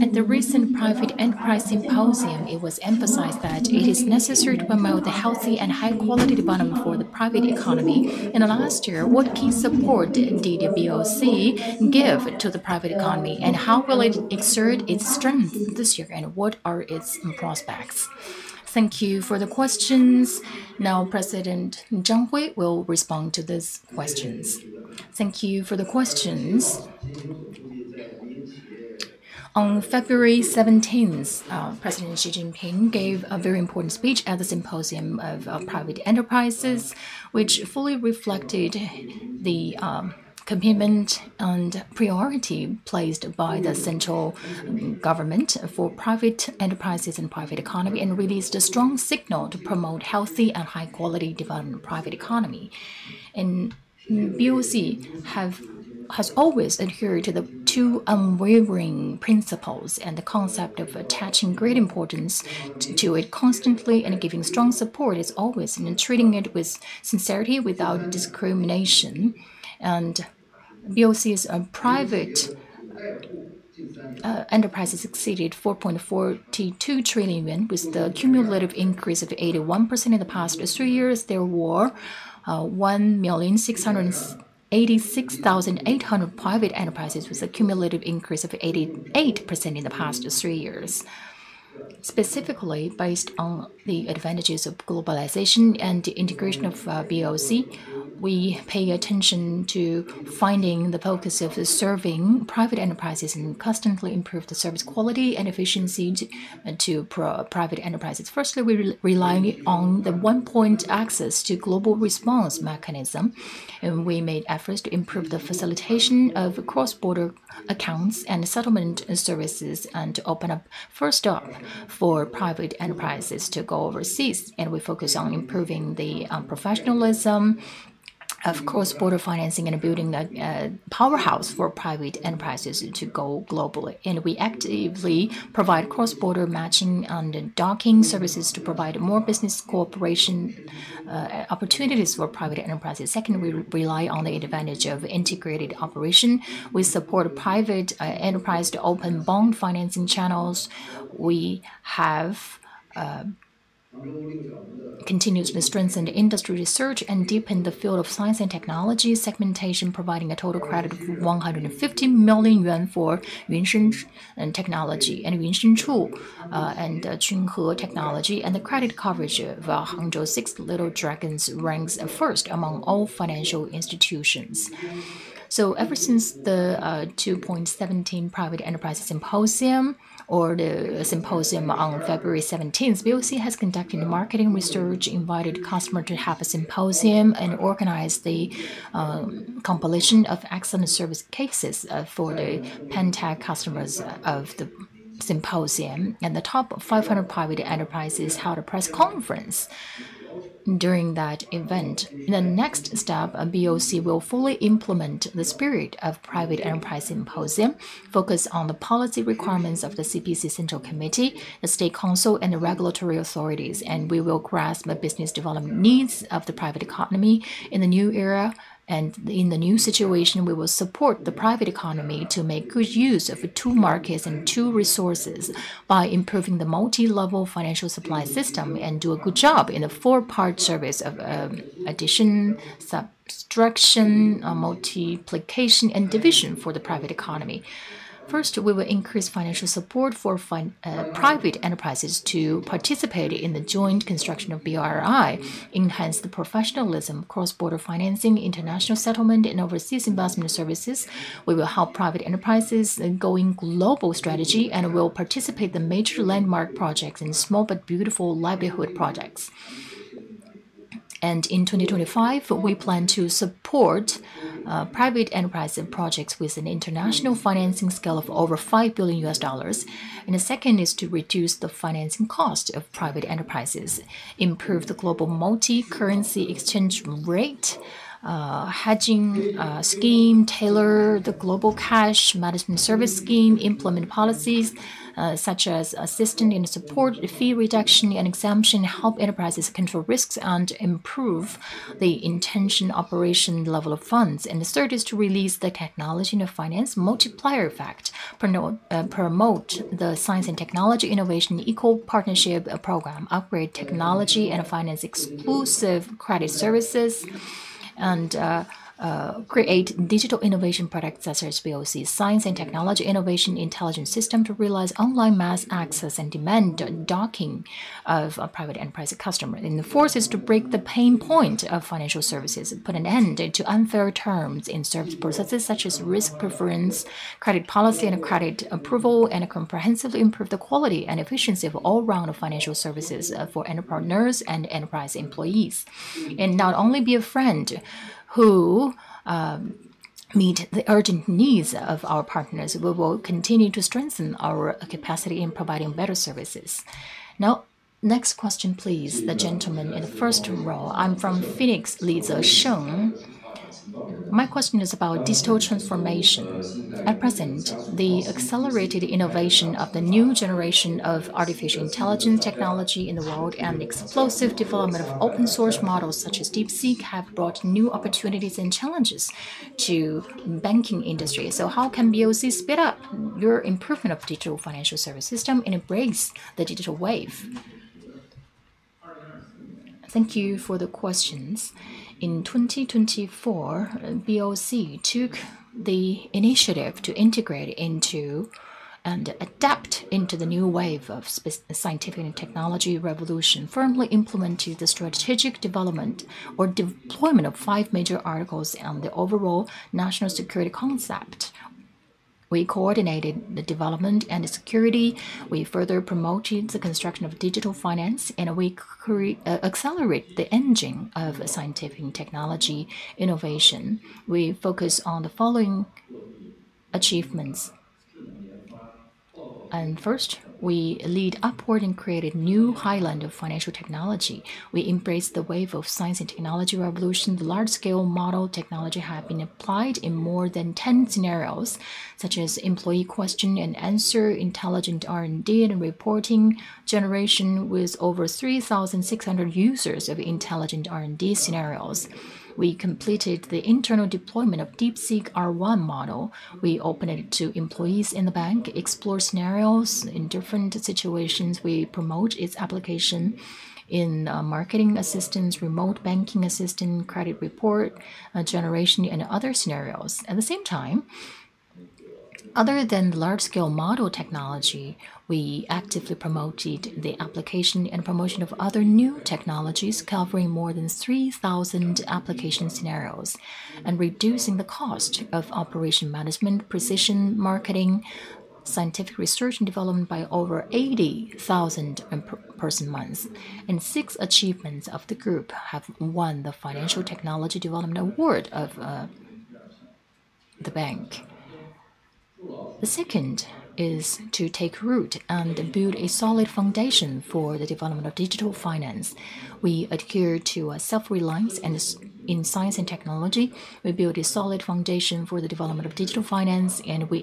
At the recent private enterprise symposium, it was emphasized that it is necessary to promote the healthy and high-quality development for the private economy. In the last year, what key support did the BOC give to the private economy, and how will it exert its strength this year, and what are its prospects? Thank you for the questions. Now, President Zhang Hui will respond to these questions. Thank you for the questions. On February 17th, President Xi Jinping gave a very important speech at the Symposium of Private Enterprises, which fully reflected the commitment and priority placed by the central government for private enterprises and private economy and released a strong signal to promote healthy and high-quality development of the private economy. BOC has always adhered to the two unwavering principles and the concept of attaching great importance to it constantly and giving strong support is always and treating it with sincerity without discrimination. BOC's private enterprises exceeded 4.42 trillion yuan, with the cumulative increase of 81% in the past three years. There were 1,686,800 private enterprises, with a cumulative increase of 88% in the past three years. Specifically, based on the advantages of globalization and the integration of BOC, we pay attention to finding the focus of serving private enterprises and constantly improve the service quality and efficiency to private enterprises. Firstly, we rely on the one-point access to global response mechanism, and we made efforts to improve the facilitation of cross-border accounts and settlement services and open up first stop for private enterprises to go overseas. We focus on improving the professionalism of cross-border financing and building a powerhouse for private enterprises to go global. We actively provide cross-border matching and docking services to provide more business cooperation opportunities for private enterprises. Second, we rely on the advantage of integrated operation. We support private enterprise to open bond financing channels. We have continuously strengthened industry research and deepened the field of science and technology segmentation, providing a total credit of 150 million yuan for Yuncheng Technology and Yuncheng Chu and Junhe Technology, and the credit coverage of Hangzhou Six Little Dragons ranks first among all financial institutions. Ever since the 2017 Private Enterprise Symposium, or the symposium on February 17th, BOC has conducted marketing research, invited customers to have a symposium, and organized the compilation of excellent service cases for the Pentag customers of the symposium, and the top 500 private enterprises held a press conference during that event. In the next step, BOC will fully implement the spirit of Private Enterprise Symposium, focus on the policy requirements of the CPC Central Committee, the State Council, and the regulatory authorities, and we will grasp the business development needs of the private economy in the new era. In the new situation, we will support the private economy to make good use of two markets and two resources by improving the multilevel financial supply system and do a good job in the four-part service of addition, subtraction, multiplication, and division for the private economy. First, we will increase financial support for private enterprises to participate in the joint construction of BRI, enhance the professionalism of cross-border financing, international settlement, and overseas investment services. We will help private enterprises go global strategy and will participate in the major landmark projects and small but beautiful livelihood projects. In 2025, we plan to support private enterprise projects with an international financing scale of over $5 billion. The second is to reduce the financing cost of private enterprises, improve the global multi-currency exchange rate, hedging scheme, tailor the global cash management service scheme, implement policies such as assistance and support, fee reduction and exemption, help enterprises control risks, and improve the intention operation level of funds. The third is to release the technology and finance multiplier effect, promote the science and technology innovation equal partnership program, upgrade technology and finance exclusive credit services, and create digital innovation products such as BOC science and technology innovation intelligence system to realize online mass access and demand docking of private enterprise customers. The fourth is to break the pain point of financial services, put an end to unfair terms in service processes such as risk preference, credit policy, and credit approval, and comprehensively improve the quality and efficiency of all round of financial services for enterprise partners and enterprise employees. Not only be a friend who meet the urgent needs of our partners, we will continue to strengthen our capacity in providing better services. Now, next question, please, the gentleman in the first row. I'm from Phoenix, Li Zesheng. My question is about digital transformation. At present, the accelerated innovation of the new generation of artificial intelligence technology in the world and the explosive development of open-source models such as DeepSeek have brought new opportunities and challenges to the banking industry. How can BOC speed up your improvement of digital financial service system and embrace the digital wave? Thank you for the questions. In 2024, BOC took the initiative to integrate into and adapt into the new wave of scientific and technology revolution, firmly implementing the strategic development or deployment of five major articles and the overall national security concept. We coordinated the development and the security. We further promoted the construction of digital finance, and we accelerated the engine of scientific and technology innovation. We focus on the following achievements. First, we lead upward and created new highland of financial technology. We embraced the wave of science and technology revolution. The large-scale model technology has been applied in more than 10 scenarios, such as employee question and answer, intelligent R&D, and reporting generation with over 3,600 users of intelligent R&D scenarios. We completed the internal deployment of DeepSeek R1 model. We opened it to employees in the bank, explored scenarios in different situations. We promote its application in marketing assistance, remote banking assistance, credit report generation, and other scenarios. At the same time, other than the large-scale model technology, we actively promoted the application and promotion of other new technologies, covering more than 3,000 application scenarios and reducing the cost of operation management, precision marketing, scientific research and development by over 80,000 person months. Six achievements of the group have won the financial technology development award of the bank. The second is to take root and build a solid foundation for the development of digital finance. We adhere to self-reliance in science and technology. We build a solid foundation for the development of digital finance, and we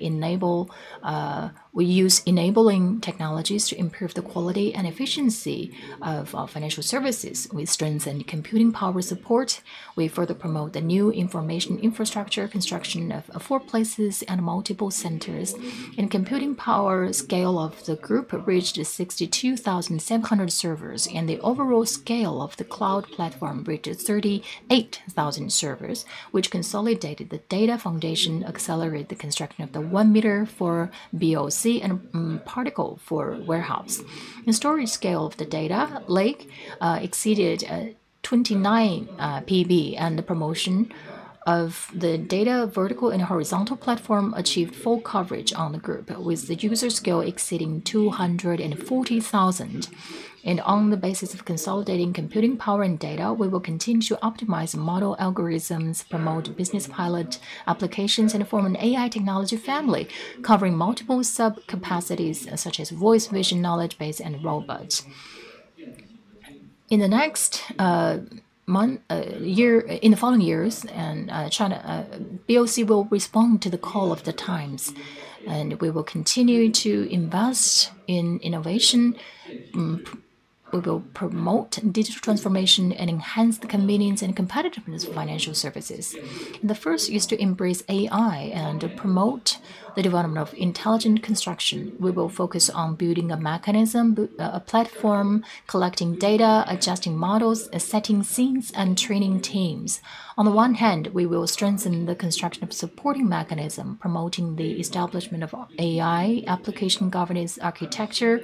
use enabling technologies to improve the quality and efficiency of financial services. We strengthen computing power support. We further promote the new information infrastructure construction of four places and multiple centers. The computing power scale of the group reached 62,700 servers, and the overall scale of the cloud platform reached 38,000 servers, which consolidated the data foundation, accelerated the construction of the one-meter for BOC and particle for warehouse. The storage scale of the data lake exceeded 29 PB, and the promotion of the data vertical and horizontal platform achieved full coverage on the group, with the user scale exceeding 240,000. On the basis of consolidating computing power and data, we will continue to optimize model algorithms, promote business pilot applications, and form an AI technology family covering multiple sub-capacities such as voice, vision, knowledge base, and robots. In the next year, in the following years, BOC will respond to the call of the times, and we will continue to invest in innovation. We will promote digital transformation and enhance the convenience and competitiveness of financial services. The first is to embrace AI and promote the development of intelligent construction. We will focus on building a mechanism, a platform, collecting data, adjusting models, setting scenes, and training teams. On the one hand, we will strengthen the construction of supporting mechanism, promoting the establishment of AI application governance architecture,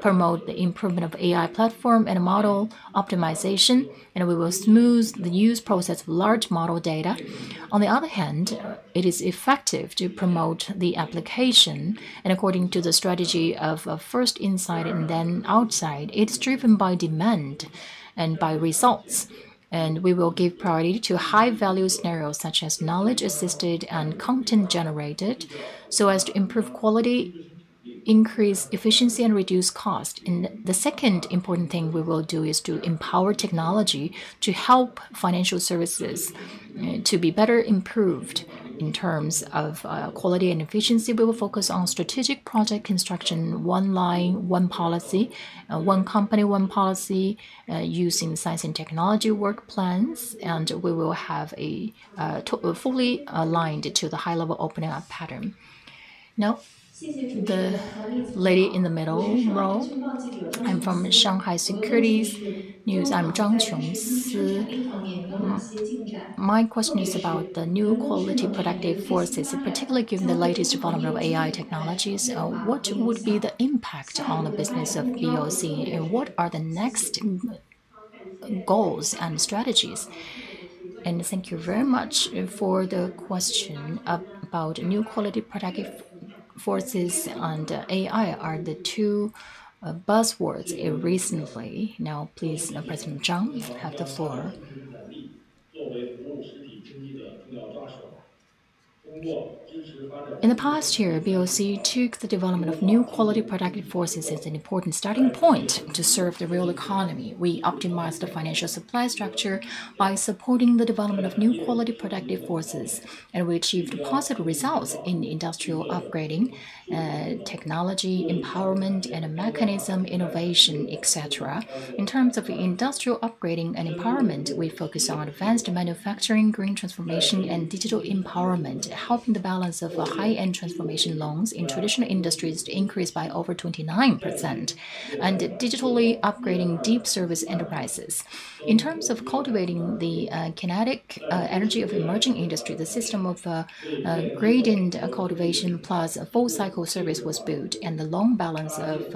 promote the improvement of AI platform and model optimization, and we will smooth the use process of large model data. On the other hand, it is effective to promote the application, and according to the strategy of first inside and then outside, it's driven by demand and by results. We will give priority to high-value scenarios such as knowledge-assisted and content-generated so as to improve quality, increase efficiency, and reduce cost. The second important thing we will do is to empower technology to help financial services to be better improved in terms of quality and efficiency. We will focus on strategic project construction, one line, one policy, one company, one policy, using science and technology work plans, and we will have a fully aligned to the high-level opening-up pattern. Now, the lady in the middle row. I'm from Shanghai Securities News. I'm Zhang Chongsi. My question is about the new quality productive forces, particularly given the latest development of AI technologies. What would be the impact on the business of BOC, and what are the next goals and strategies? Thank you very much for the question about new quality productive forces and AI are the two buzzwords recently. Now, please, President Zhang, have the floor. In the past year, BOC took the development of new quality productive forces as an important starting point to serve the real economy. We optimized the financial supply structure by supporting the development of new quality productive forces, and we achieved positive results in industrial upgrading, technology empowerment, and mechanism innovation, etc. In terms of industrial upgrading and empowerment, we focus on advanced manufacturing, green transformation, and digital empowerment, helping the balance of high-end transformation loans in traditional industries to increase by over 29%, and digitally upgrading deep service enterprises. In terms of cultivating the kinetic energy of emerging industry, the system of gradient cultivation plus full-cycle service was built, and the loan balance of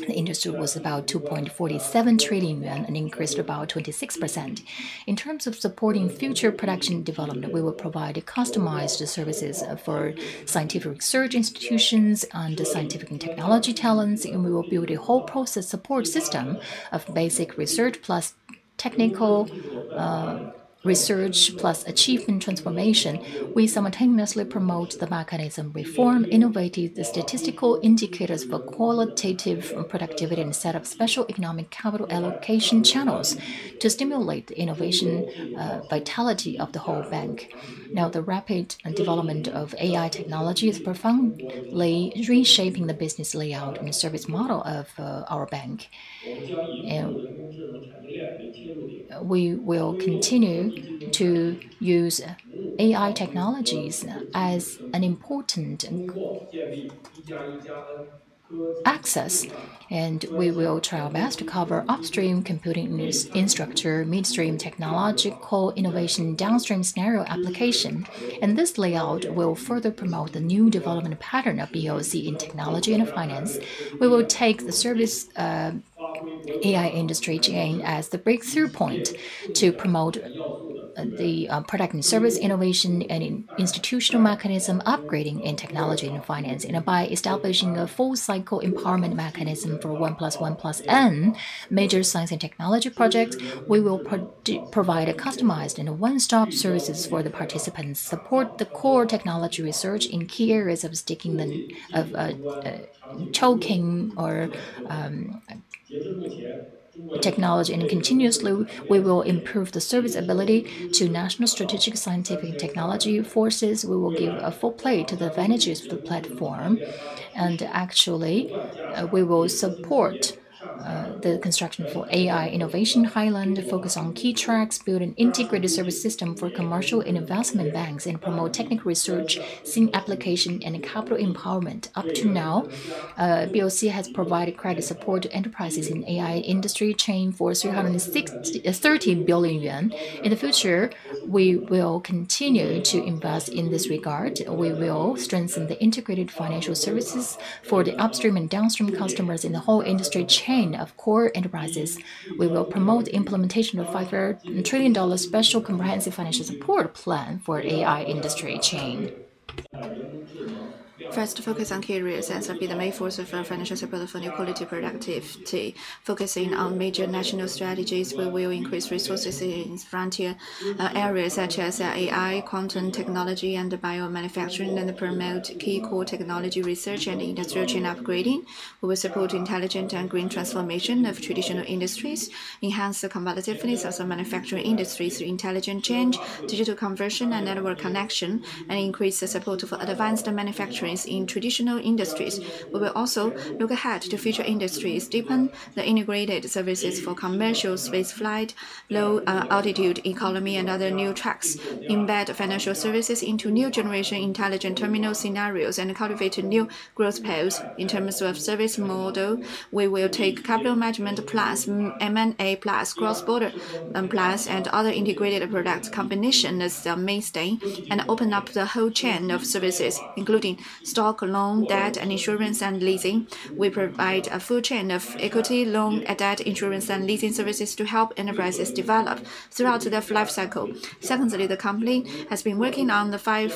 the industry was about 2.47 trillion yuan and increased about 26%. In terms of supporting future production development, we will provide customized services for scientific research institutions and scientific and technology talents, and we will build a whole process support system of basic research plus technical research plus achievement transformation. We simultaneously promote the mechanism reform, innovative statistical indicators for qualitative productivity, and set up special economic capital allocation channels to stimulate the innovation vitality of the whole bank. Now, the rapid development of AI technology is profoundly reshaping the business layout and service model of our bank. We will continue to use AI technologies as an important access, and we will try our best to cover upstream computing news infrastructure, midstream technological innovation, and downstream scenario application. This layout will further promote the new development pattern of BOC in technology and finance. We will take the service AI industry chain as the breakthrough point to promote the product and service innovation and institutional mechanism upgrading in technology and finance. By establishing a full-cycle empowerment mechanism for 1+1+N major science and technology projects, we will provide customized and one-stop services for the participants, support the core technology research in key areas of token or technology, and continuously, we will improve the service ability to national strategic scientific and technology forces. We will give full play to the advantages of the platform, and actually, we will support the construction for AI innovation highland, focus on key tracks, build an integrated service system for commercial and investment banks, and promote technical research, scene application, and capital empowerment. Up to now, BOC has provided credit support to enterprises in the AI industry chain for 330 billion yuan. In the future, we will continue to invest in this regard. We will strengthen the integrated financial services for the upstream and downstream customers in the whole industry chain of core enterprises. We will promote the implementation of a $5 trillion special comprehensive financial support plan for the AI industry chain. First, to focus on key areas as will be the main force of financial support for new quality productivity. Focusing on major national strategies, we will increase resources in frontier areas such as AI, quantum technology, and biomanufacturing, and promote key core technology research and industry chain upgrading. We will support intelligent and green transformation of traditional industries, enhance the competitiveness of the manufacturing industry through intelligent change, digital conversion, and network connection, and increase the support for advanced manufacturing in traditional industries. We will also look ahead to future industries, deepen the integrated services for commercial space flight, low altitude economy, and other new tracks, embed financial services into new generation intelligent terminal scenarios, and cultivate new growth pairs. In terms of service model, we will take capital management plus M&A plus cross-border plus and other integrated products combination as the mainstay and open up the whole chain of services, including stock, loan, debt, and insurance and leasing. We provide a full chain of equity, loan, debt, insurance, and leasing services to help enterprises develop throughout their lifecycle. Secondly, the company has been working on the five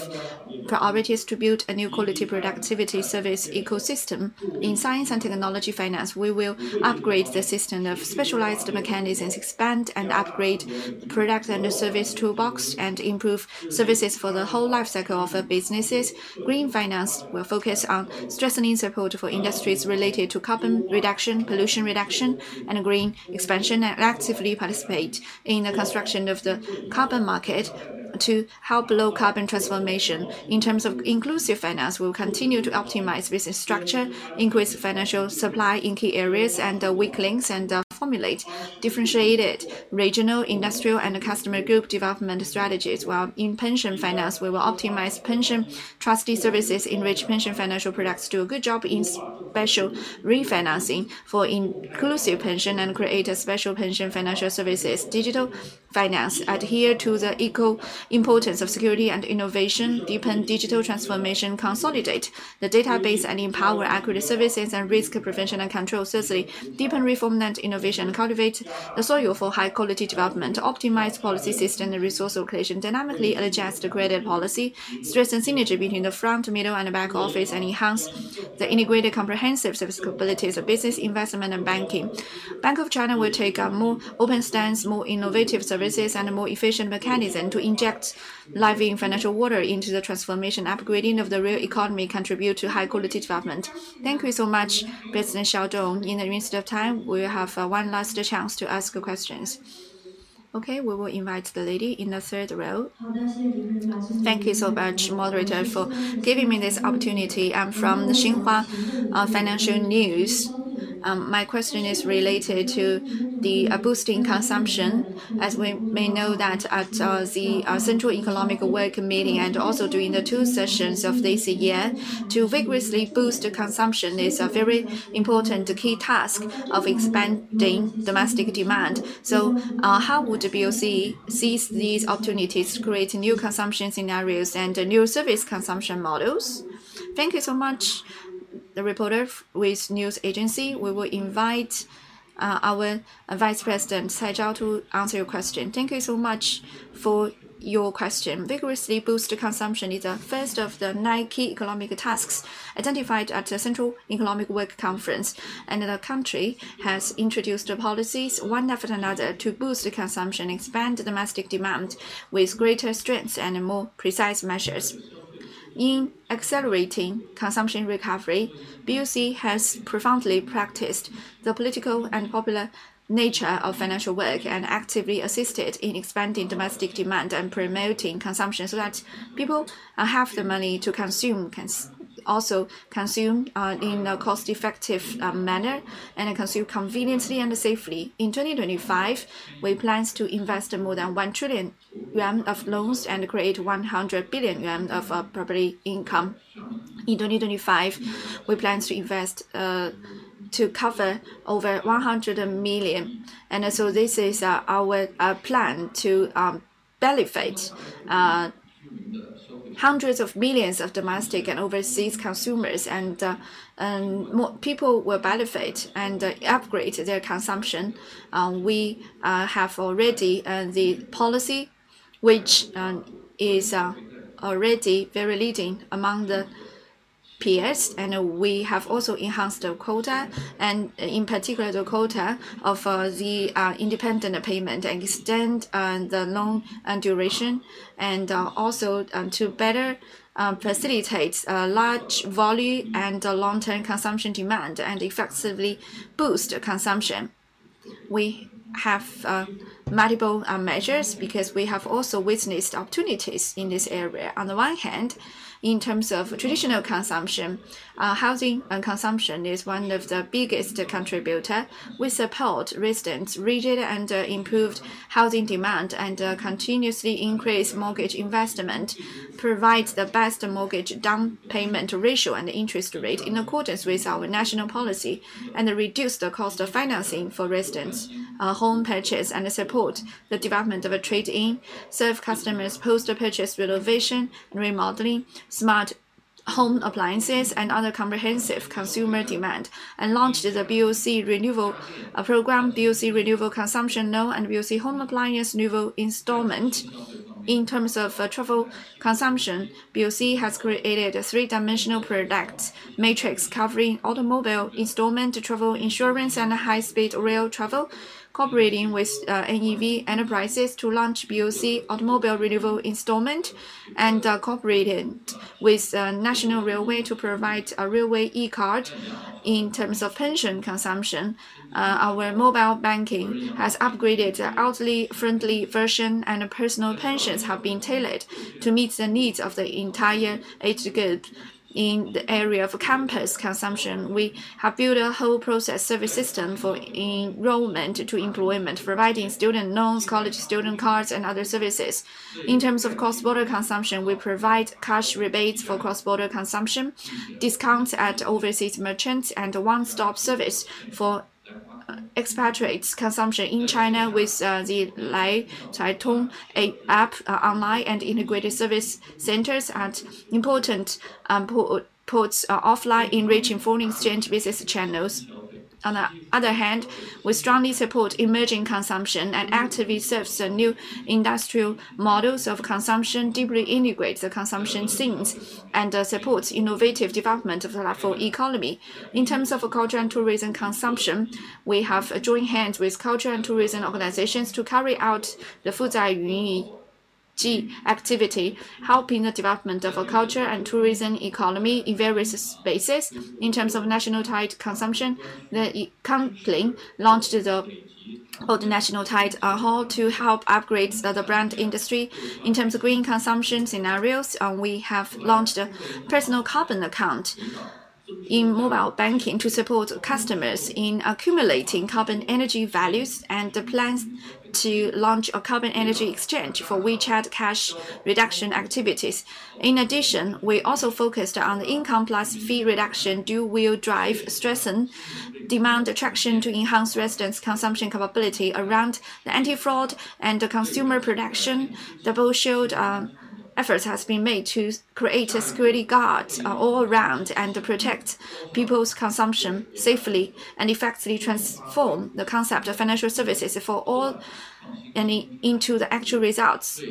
priorities to build a new quality productivity service ecosystem. In science and technology finance, we will upgrade the system of specialized mechanisms, expand and upgrade product and service toolbox, and improve services for the whole lifecycle of businesses. Green finance will focus on strengthening support for industries related to carbon reduction, pollution reduction, and green expansion, and actively participate in the construction of the carbon market to help low carbon transformation. In terms of inclusive finance, we will continue to optimize business structure, increase financial supply in key areas, and weak links, and formulate differentiated regional, industrial, and customer group development strategies. While in pension finance, we will optimize pension trustee services, enrich pension financial products to do a good job in special refinancing for inclusive pension and create a special pension financial services. Digital finance adheres to the equal importance of security and innovation, deepen digital transformation, consolidate the database, and empower accurate services and risk prevention and control. Thirdly, deepen reform and innovation, cultivate the soil for high-quality development, optimize policy system and resource location, dynamically adjust the credit policy, strengthen synergy between the front, middle, and back office, and enhance the integrated comprehensive service capabilities of business, investment, and banking. Bank of China will take a more open stance, more innovative services, and a more efficient mechanism to inject lively financial water into the transformation, upgrading of the real economy, contribute to high-quality development. Thank you so much, President Xiaodong. In the interest of time, we have one last chance to ask questions. Okay, we will invite the lady in the third row. Thank you so much, moderator, for giving me this opportunity. I'm from Xinhua Financial News. My question is related to the boosting consumption. As we may know that at the Central Economic Work Meeting and also during the two sessions of this year, to vigorously boost consumption is a very important key task of expanding domestic demand. How would BOC seize these opportunities to create new consumption scenarios and new service consumption models? Thank you so much, the reporter with News Agency. We will invite our Vice President, Cai Zhao, to answer your question. Thank you so much for your question. Vigorously boost consumption is the first of the nine key economic tasks identified at the Central Economic Work Conference, and the country has introduced policies one after another to boost consumption, expand domestic demand with greater strength and more precise measures. In accelerating consumption recovery, BOC has profoundly practiced the political and popular nature of financial work and actively assisted in expanding domestic demand and promoting consumption so that people have the money to consume, also consume in a cost-effective manner, and consume conveniently and safely. In 2025, we plan to invest more than 1 trillion yuan of loans and create 100 billion yuan of property income. In 2025, we plan to invest to cover over 100 million. This is our plan to benefit hundreds of millions of domestic and overseas consumers, and more people will benefit and upgrade their consumption. We have already the policy, which is already very leading among the PS, and we have also enhanced the quota, and in particular, the quota of the independent payment and extend the loan duration, and also to better facilitate large volume and long-term consumption demand and effectively boost consumption. We have multiple measures because we have also witnessed opportunities in this area. On the one hand, in terms of traditional consumption, housing and consumption is one of the biggest contributors. We support residents' rigid and improved housing demand and continuously increase mortgage investment, provide the best mortgage down payment ratio and interest rate in accordance with our national policy, and reduce the cost of financing for residents. Home purchase and support the development of a trade-in, serve customers' post-purchase renovation and remodeling, smart home appliances, and other comprehensive consumer demand, and launched the BOC Renewal Program, BOC Renewal Consumption Loan, and BOC Home Appliance Renewal Installment. In terms of travel consumption, BOC has created a three-dimensional product matrix covering automobile installment, travel insurance, and high-speed rail travel, cooperating with NEV enterprises to launch BOC Automobile Renewal Installment, and cooperated with National Railway to provide a Railway E-Card. In terms of pension consumption, our mobile banking has upgraded the elderly-friendly version, and personal pensions have been tailored to meet the needs of the entire age group. In the area of campus consumption, we have built a whole process service system for enrollment to employment, providing student loans, college student cards, and other services. In terms of cross-border consumption, we provide cash rebates for cross-border consumption, discounts at overseas merchants, and one-stop service for expatriates' consumption in China with the Lai Cai Tong app online and integrated service centers at important ports offline, enriching foreign exchange business channels. On the other hand, we strongly support emerging consumption and actively serve the new industrial models of consumption, deeply integrate the consumption scenes, and support innovative development of the local economy. In terms of culture and tourism consumption, we have joined hands with culture and tourism organizations to carry out the Fuzhai Yunjie activity, helping the development of a culture and tourism economy in various spaces. In terms of national tide consumption, the company launched the National Tide Hall to help upgrade the brand industry. In terms of green consumption scenarios, we have launched a personal carbon account in mobile banking to support customers in accumulating carbon energy values and plans to launch a carbon energy exchange for WeChat cash reduction activities. In addition, we also focused on the income plus fee reduction due wheel drive stress and demand attraction to enhance residents' consumption capability around the anti-fraud and consumer production. The bullshield efforts have been made to create a security guard all around and protect people's consumption safely and effectively transform the concept of financial services for all and into the actual results.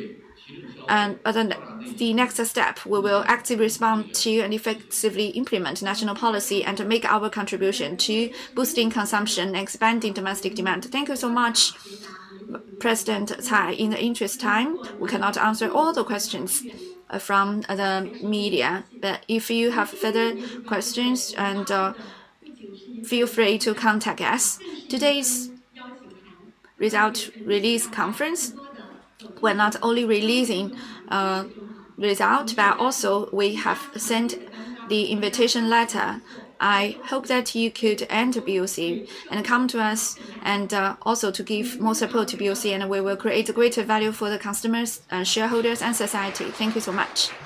The next step, we will actively respond to and effectively implement national policy and make our contribution to boosting consumption and expanding domestic demand. Thank you so much, President Cai. In the interest of time, we cannot answer all the questions from the media, but if you have further questions, feel free to contact us. Today's result release conference, we're not only releasing results, but also we have sent the invitation letter. I hope that you could attend BOC and come to us and also to give more support to BOC, and we will create greater value for the customers, shareholders, and society. Thank you so much.